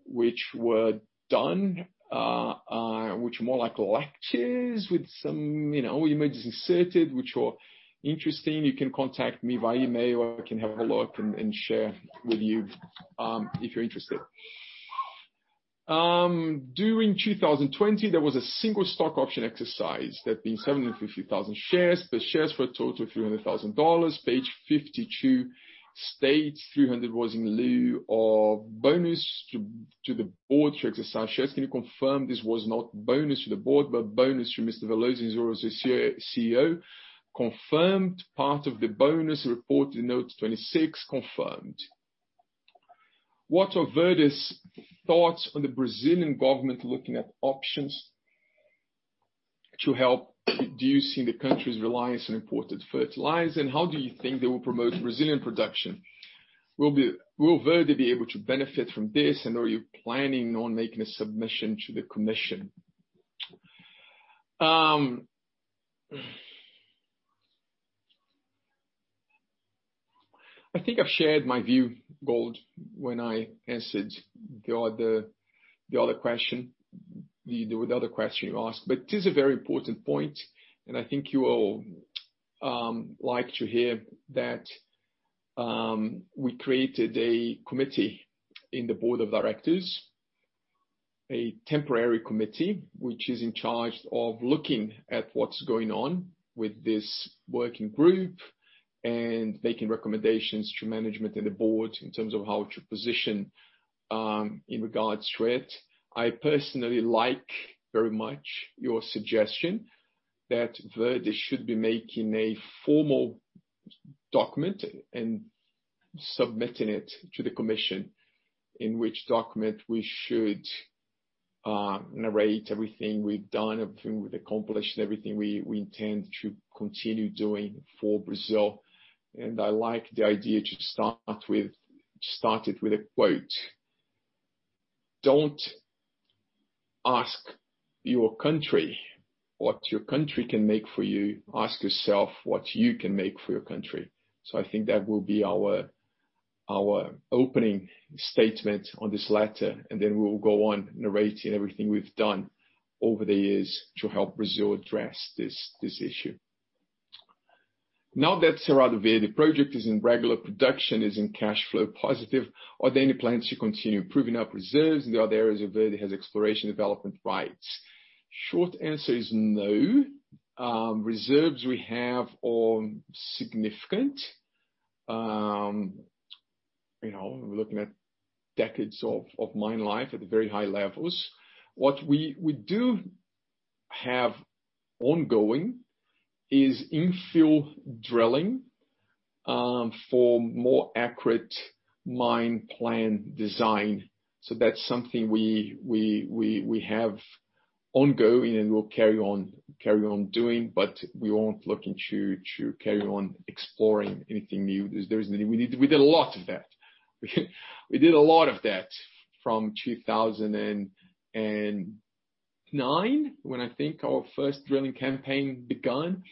which were done, which were more like lectures with some images inserted, which were interesting. You can contact me via email. I can have a look and share with you if you're interested. During 2020, there was a single stock option exercise. That being 750,000 shares. The shares were total 300,000 dollars. Page 52 states 300,000 was in lieu of bonus to the board to exercise shares. Can you confirm this was not bonus to the board, but bonus to Mr. Veloso as CEO? Confirmed. Part of the bonus reported in Note 26. Confirmed. What are Verde's thoughts on the Brazilian government looking at options to help reduce the country's reliance on imported fertilizer, and how do you think they will promote Brazilian production? Will Verde be able to benefit from this, and are you planning on making a submission to the commission? I think I've shared my view, Gold, when I answered the other question you asked. It is a very important point, and I think you will like to hear that we created a committee in the board of directors. A temporary committee, which is in charge of looking at what's going on with this working group and making recommendations to management and the board in terms of how to position in regards to it. I personally like very much your suggestion that Verde should be making a formal document and submitting it to the commission, in which document we should narrate everything we've done, everything we've accomplished, and everything we intend to continue doing for Brazil. I like the idea to start it with a quote, "Don't ask your country what your country can make for you. Ask yourself what you can make for your country." I think that will be our opening statement on this letter, and then we will go on narrating everything we've done over the years to help Brazil address this issue. Now that Cerrado Verde project is in regular production, is in cash flow positive, are there any plans to continue proving up reserves in the other areas of Verde has exploration development rights? Short answer is no. Reserves we have are significant. We're looking at decades of mine life at very high levels. What we do have ongoing is infill drilling for more accurate mine plan design. That's something we have ongoing and will carry on doing, but we aren't looking to carry on exploring anything new. We did a lot of that. We did a lot of that from 2009, when I think our first drilling campaign begun,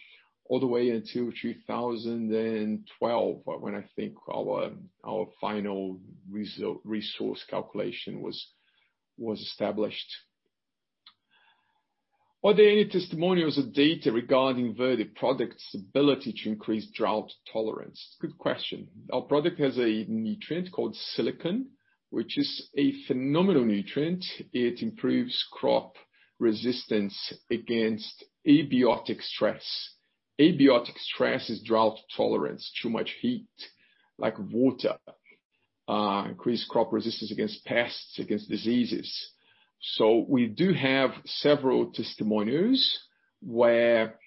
all the way until 2012, when I think our final resource calculation was established. Are there any testimonials or data regarding Verde product's ability to increase drought tolerance? Good question. Our product has a nutrient called silicon, which is a phenomenal nutrient. It improves crop resistance against abiotic stress. Abiotic stress is drought tolerance, too much heat, lack of water. Increased crop resistance against pests, against diseases. We do have several testimonials where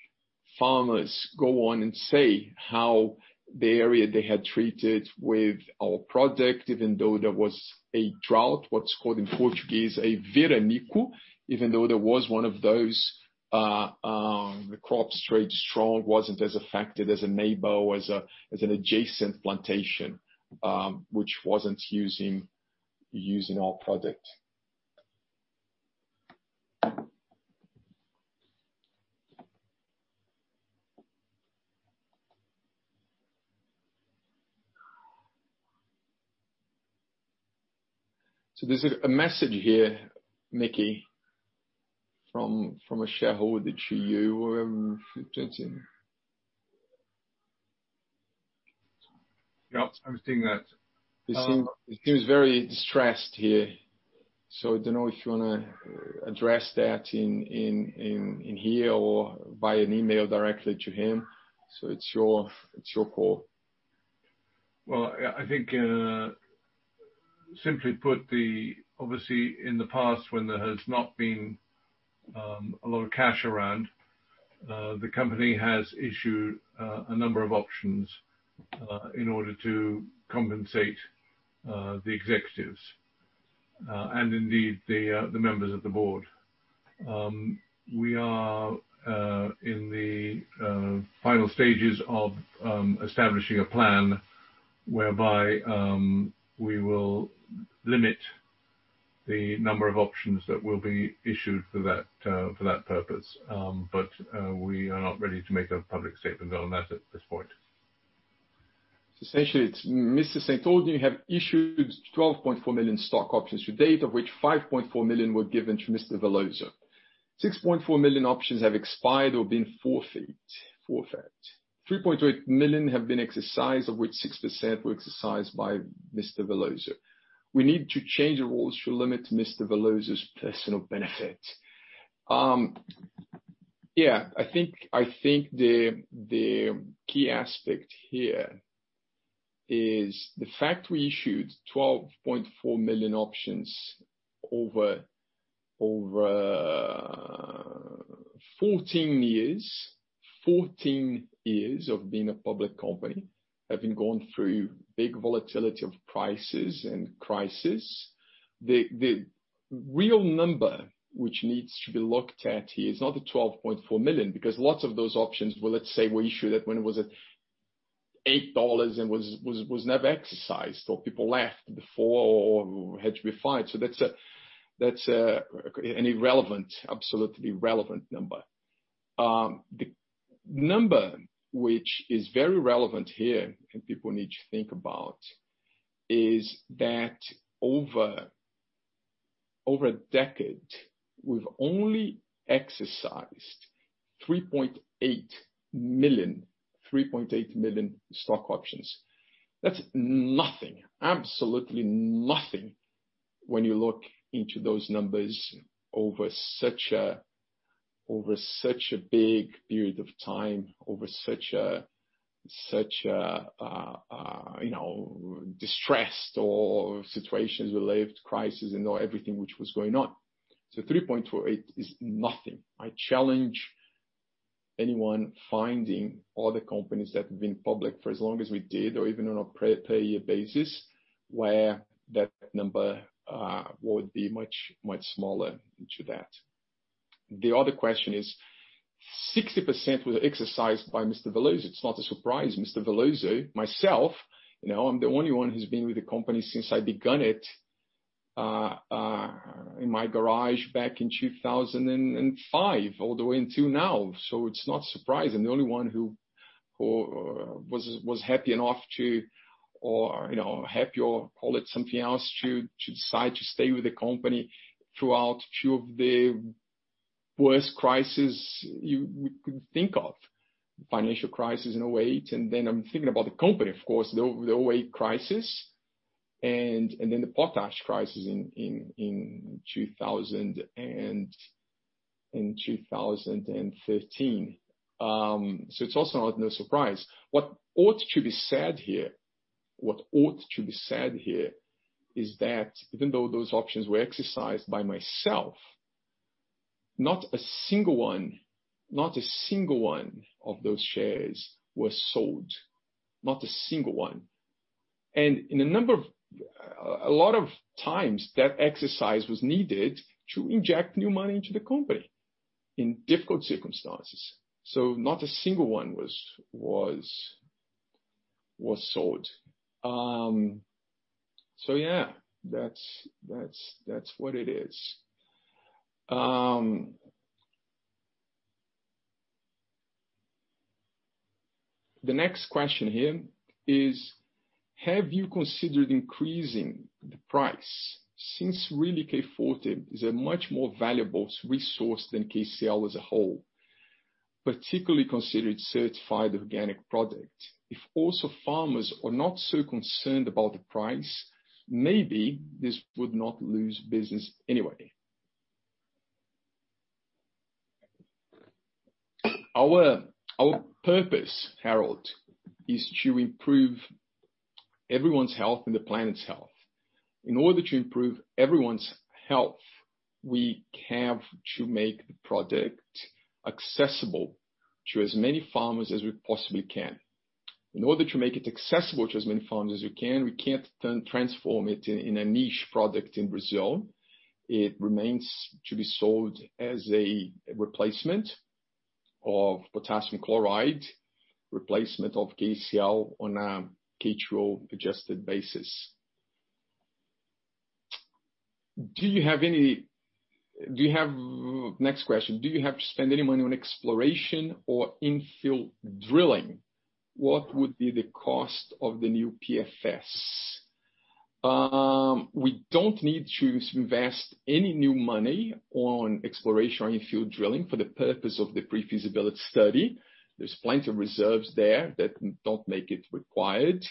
farmers go on and say how the area they had treated with our product, even though there was a drought, what's called in Portuguese a veranico. Even though there was one of those, the crop stayed strong, wasn't as affected as a neighbor, as an adjacent plantation which wasn't using our product. There's a message here, Mickey, from a shareholder to you. Yeah. I was seeing that. He seems very distressed here. Don't know if you want to address that in here or via an email directly to him. It's your call. Well, I think simply put, obviously in the past when there has not been a lot of cash around, the company has issued a number of options in order to compensate the executives, and indeed the members of the board. We are in the final stages of establishing a plan whereby we will limit the number of options that will be issued for that purpose. We are not ready to make a public statement on that at this point. Essentially, it's Mr. St. Aldwyn, you have issued 12.4 million stock options to date, of which 5.4 million were given to Mr. Veloso. 6.4 million options have expired or been forfeit. 3.8 million have been exercised, of which 60% were exercised by Mr. Veloso. We need to change the rules to limit Mr. Veloso's personal benefit. Yeah. I think the key aspect here is the fact we issued 12.4 million options over 14 years of being a public company, having gone through big volatility of prices and crisis. The real number which needs to be looked at here is not the 12.4 million, because lots of those options, well, let's say, were issued at when it was at 8 dollars and was never exercised, or people left before or had to be fired. That's an absolutely irrelevant number. The number which is very relevant here and people need to think about is that over a decade, we've only exercised 3.8 million stock options. That's nothing, absolutely nothing when you look into those numbers over such a big period of time, over such a distressed or situations we lived, crisis and everything which was going on. 3.8 million is nothing. I challenge anyone finding other companies that have been public for as long as we did or even on a per year basis where that number would be much smaller to that. The other question is, 60% was exercised by Mr. Veloso. It's not a surprise. Mr. Veloso, myself, I'm the only one who's been with the company since I begun it in my garage back in 2005 all the way until now. It's not surprising. The only one who was happy enough to or happy or call it something else to decide to stay with the company throughout two of the worst crisis you could think of, the financial crisis in 2008. I'm thinking about the company, of course, the 2008 crisis and then the potash crisis in 2013. It's also no surprise. What ought to be said here is that even though those options were exercised by myself, not a single one of those shares was sold, not a single one. A lot of times that exercise was needed to inject new money into the company in difficult circumstances. Not a single one was sold. Yeah, that's what it is. The next question here is, have you considered increasing the price since really K Forte is a much more valuable resource than KCl as a whole, particularly considered certified organic product? If also farmers are not so concerned about the price, maybe this would not lose business anyway. Our purpose, Harold, is to improve everyone's health and the planet's health. In order to improve everyone's health, we have to make the product accessible to as many farmers as we possibly can. In order to make it accessible to as many farmers as we can, we can't then transform it in a niche product in Brazil. It remains to be sold as a replacement of potassium chloride, replacement of KCl on a K2O adjusted basis. Next question. Do you have to spend any money on exploration or infill drilling? What would be the cost of the new PFS? We don't need to invest any new money on exploration or infill drilling for the purpose of the pre-feasibility study. There's plenty of reserves there that don't make it required.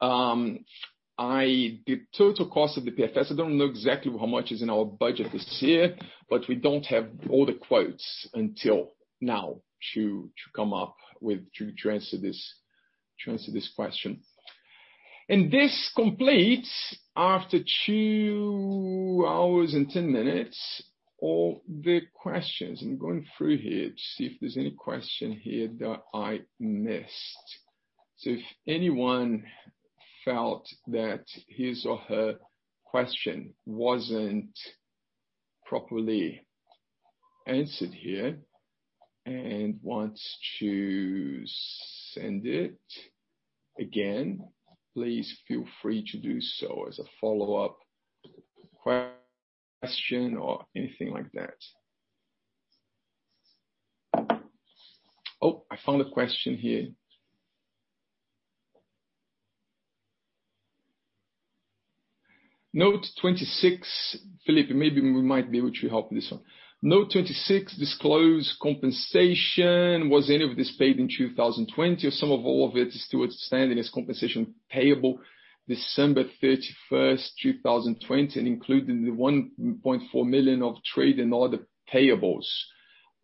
The total cost of the PFS, I don't know exactly how much is in our budget this year, but we don't have all the quotes until now to come up with, to answer this question. This completes after two hours and 10 minutes all the questions. I'm going through here to see if there's any question here that I missed. If anyone felt that his or her question wasn't properly answered here and wants to send it again, please feel free to do so as a follow-up question or anything like that. Oh, I found a question here. Note 26. Felipe, maybe we might be able to help with this one. Note 26 disclose compensation. Was any of this paid in 2020, or some of all of it is still outstanding as compensation payable December 31st, 2020 and including the 1.4 million of trade and other payables?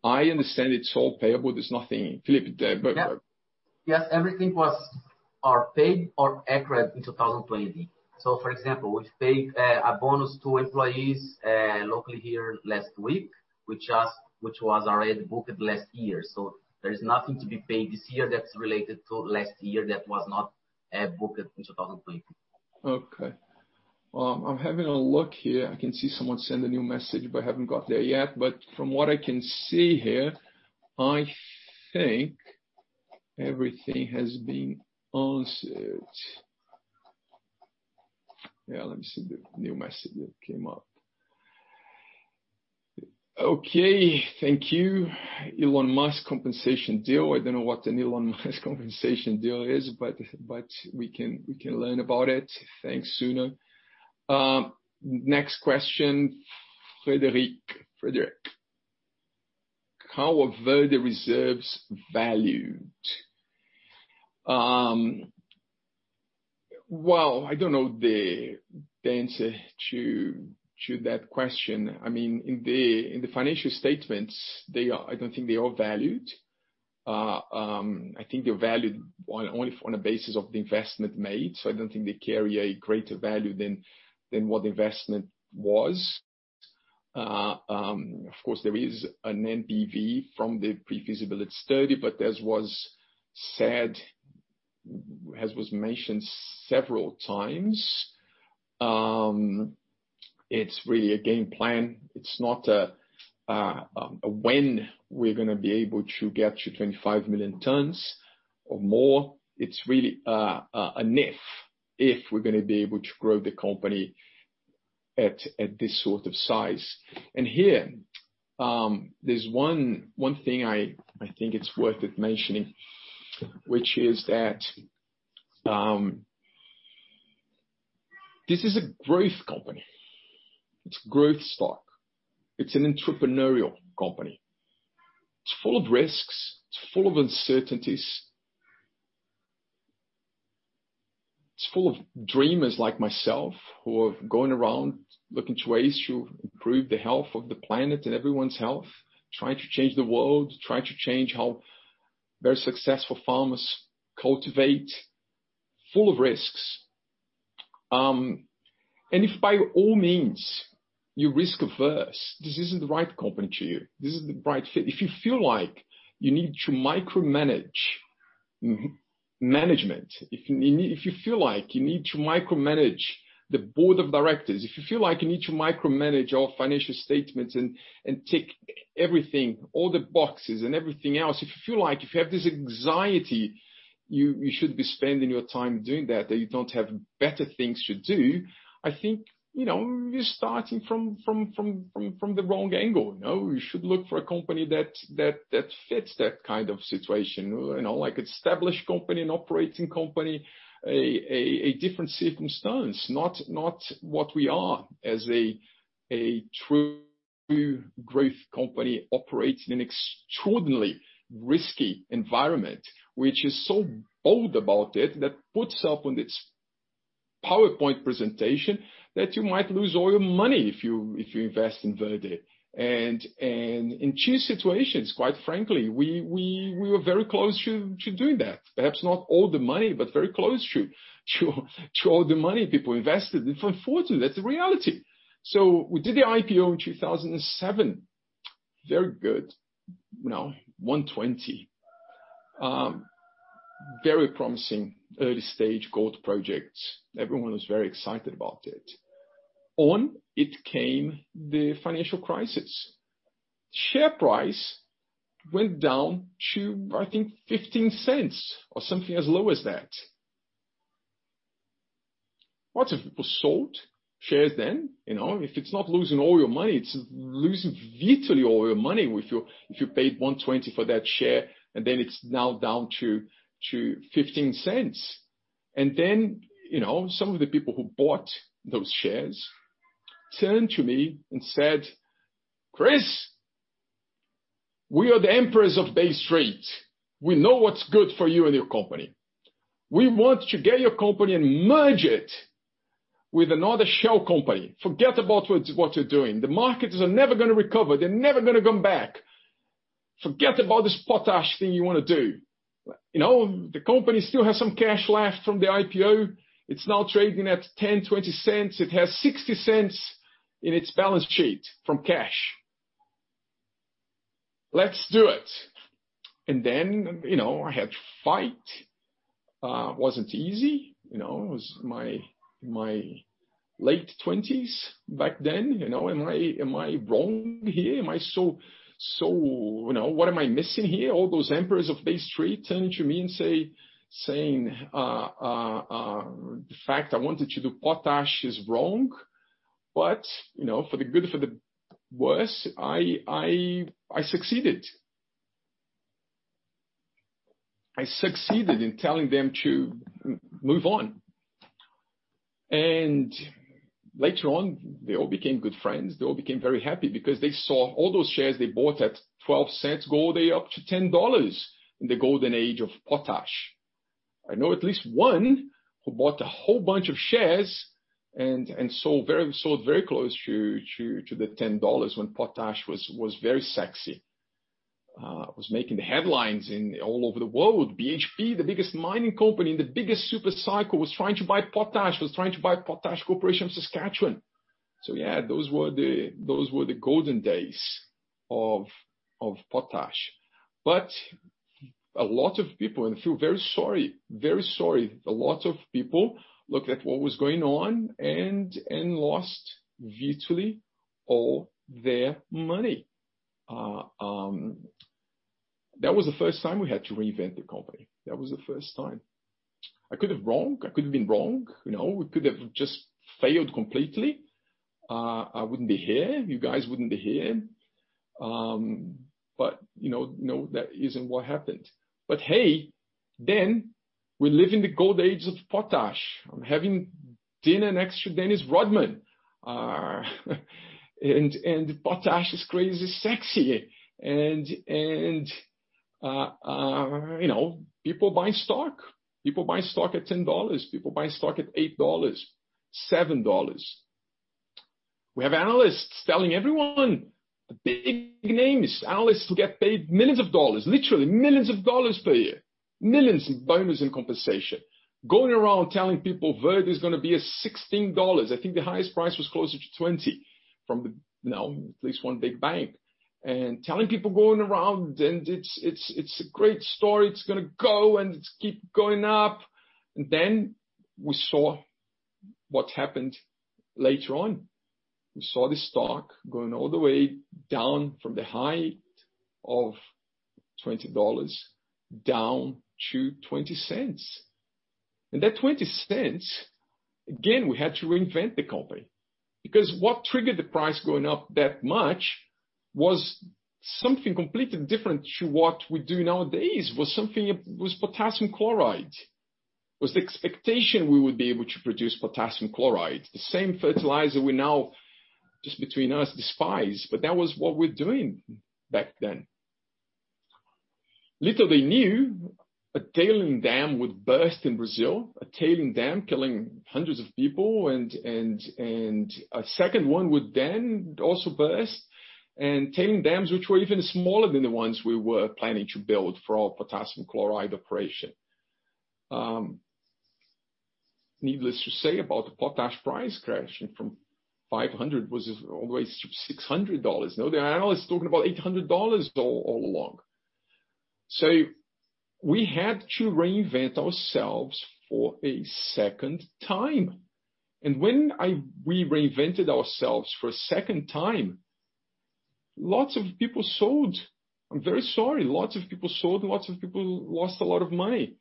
I understand it's all payable. There's nothing, Felipe. Yes. Everything was paid or accrued in 2020. For example, we've paid a bonus to employees locally here last week, which was already booked last year. There is nothing to be paid this year that's related to last year that was not booked in 2020. Okay. I'm having a look here. I can see someone sent a new message, but I haven't got there yet. From what I can see here, I think everything has been answered. Yeah, let me see the new message that came up. Okay. Thank you. Elon Musk compensation deal. I don't know what an Elon Musk compensation deal is, but we can learn about it. Thanks, Suna. Next question, Frederick. How are Verde reserves valued? Well, I don't know the answer to that question. In the financial statements, I don't think they are valued. I think they're valued on a basis of the investment made, so I don't think they carry a greater value than what the investment was. Of course, there is an NPV from the pre-feasibility study, but as was mentioned several times, it's really a game plan. It's not a when we're going to be able to get to 25 million tonnes or more. It's really an if. If we're going to be able to grow the company at this sort of size. Here, there's one thing I think it's worth it mentioning, which is that this is a growth company. It's growth stock. It's an entrepreneurial company. It's full of risks, it's full of uncertainties. It's full of dreamers like myself who are going around looking to ways to improve the health of the planet and everyone's health, trying to change the world, trying to change how very successful farmers cultivate. Full of risks. If by all means you're risk-averse, this isn't the right company to you. If you feel like you need to micromanage management, if you feel like you need to micromanage the board of directors, if you feel like you need to micromanage our financial statements and tick everything, all the boxes and everything else, if you feel like you have this anxiety, you should be spending your time doing that you don't have better things to do, I think you're starting from the wrong angle. You should look for a company that fits that kind of situation, like established company and operating company, a different circumstance, not what we are as a true growth company operates in an extraordinarily risky environment, which is so bold about it that puts up on its PowerPoint presentation that you might lose all your money if you invest in Verde. In two situations, quite frankly, we were very close to doing that. Perhaps not all the money, but very close to all the money people invested. Unfortunately, that's the reality. We did the IPO in 2007. Very good. 1.20. Very promising early-stage gold projects. Everyone was very excited about it. On it came the financial crisis. Share price went down to, I think 0.15 or something as low as that. Lots of people sold shares then. If it's not losing all your money, it's losing virtually all your money if you paid 1.20 for that share, it's now down to 0.15. Some of the people who bought those shares turned to me and said, "Chris, we are the emperors of Bay Street. We know what's good for you and your company. We want to get your company and merge it with another shell company. Forget about what you're doing. The markets are never going to recover. They're never going to come back. Forget about this potash thing you want to do. The company still has some cash left from the IPO. It's now trading at 0.10, 0.20. It has 0.60 in its balance sheet from cash. Let's do it. Then, I had to fight. Wasn't easy. It was my late 20s back then. Am I wrong here? What am I missing here? All those emperors of Bay Street turning to me and saying the fact I wanted to do potash is wrong? For the good, for the worse, I succeeded. I succeeded in telling them to move on. Later on, they all became good friends. They all became very happy because they saw all those shares they bought at 0.12 go up to 10 dollars in the golden age of potash. I know at least one who bought a whole bunch of shares and sold very close to the 10 dollars when potash was very sexy, was making the headlines all over the world. BHP, the biggest mining company in the biggest super cycle, was trying to buy Potash Corporation of Saskatchewan. Yeah, those were the golden days of potash. A lot of people, and I feel very sorry, a lot of people looked at what was going on and lost virtually all their money. That was the first time we had to reinvent the company. That was the first time. I could've been wrong. We could have just failed completely. I wouldn't be here. You guys wouldn't be here. No, that isn't what happened. Hey, then we live in the gold age of potash. I'm having dinner next to Dennis Rodman. Potash is crazy sexy. People buy stock. People buy stock at 10 dollars. People buy stock at 8 dollars, 7 dollars. We have analysts telling everyone, the big names, analysts who get paid millions of dollars, literally millions of dollars per year, millions in bonus and compensation, going around telling people Verde is going to be at 16 dollars. I think the highest price was closer to 20 from at least one big bank. Telling people going around, and it's a great story, it's going to go and it's keep going up. Then we saw what happened later on. We saw the stock going all the way down from the height of 20 dollars down to 0.20. That 0.20, again, we had to reinvent the company because what triggered the price going up that much was something completely different to what we do nowadays, was something, was potassium chloride. Was the expectation we would be able to produce potassium chloride, the same fertilizer we now, just between us, despise. That was what we're doing back then. Little they knew a tailing dam would burst in Brazil. A tailing dam killing hundreds of people, and a second one would then also burst. Tailing dams which were even smaller than the ones we were planning to build for our potassium chloride operation. Needless to say about the potash price crashing from 500, was always 600 dollars. The analysts talking about 800 dollars all along. We had to reinvent ourselves for a second time. When we reinvented ourselves for a second time, lots of people sold. I'm very sorry. Lots of people sold, and lots of people lost a lot of money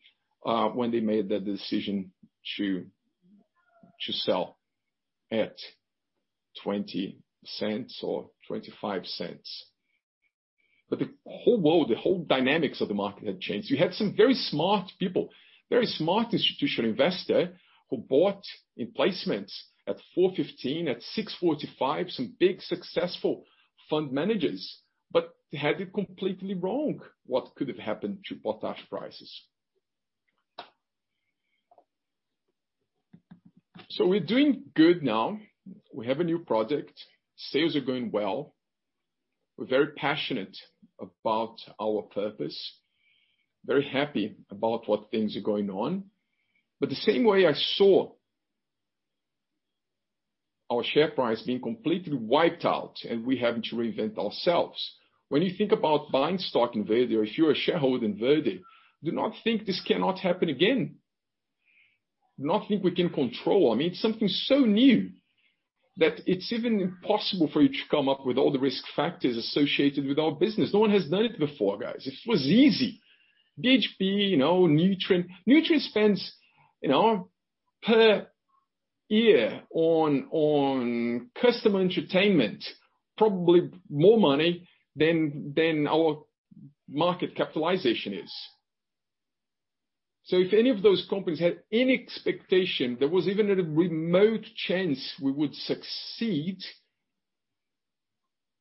when they made that decision to sell at 0.20 or 0.25. The whole world, the whole dynamics of the market had changed. You had some very smart people, very smart institutional investor who bought in placements at 4.15, at 6.45, some big successful fund managers, but they had it completely wrong what could have happened to potash prices. We're doing good now. We have a new product. Sales are going well. We're very passionate about our purpose, very happy about what things are going on. The same way I saw our share price being completely wiped out and we having to reinvent ourselves, when you think about buying stock in Verde, or if you're a shareholder in Verde, do not think this cannot happen again. Do not think we can control. It's something so new that it's even impossible for you to come up with all the risk factors associated with our business. No one has done it before, guys. If it was easy, BHP, Nutrien. Nutrien spends per year on customer entertainment probably more money than our market capitalization is. If any of those companies had any expectation there was even a remote chance we would succeed,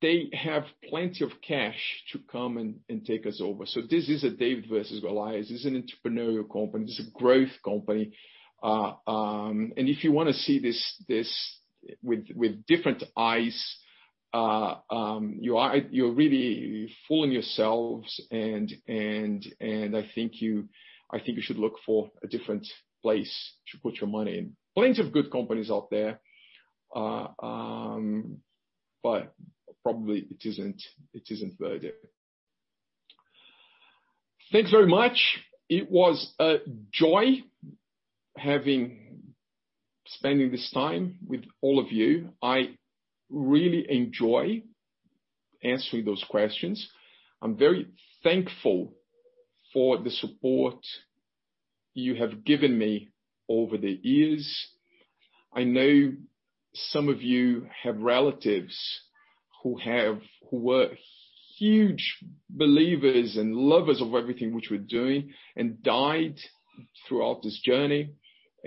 they have plenty of cash to come and take us over. This is a David versus Goliath. This is an entrepreneurial company. This is a growth company. If you want to see this with different eyes, you're really fooling yourselves, and I think you should look for a different place to put your money in. Plenty of good companies out there, but probably it isn't Verde. Thanks very much. It was a joy having spending this time with all of you. I really enjoy answering those questions. I'm very thankful for the support you have given me over the years. I know some of you have relatives who were huge believers and lovers of everything which we're doing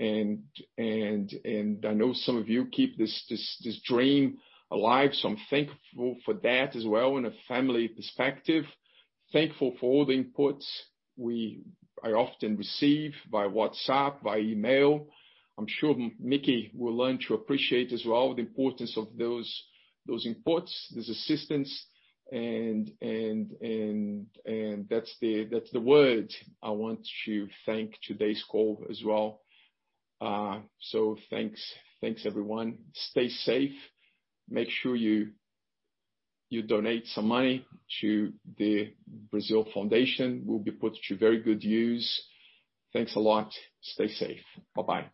and died throughout this journey. I know some of you keep this dream alive. I'm thankful for that as well in a family perspective. Thankful for all the inputs I often receive by WhatsApp, by email. I'm sure Mickey will learn to appreciate as well the importance of those inputs, this assistance. That's the word I want to thank today's call as well. Thanks everyone. Stay safe. Make sure you donate some money to the BrazilFoundation. It will be put to very good use. Thanks a lot. Stay safe. Bye-bye.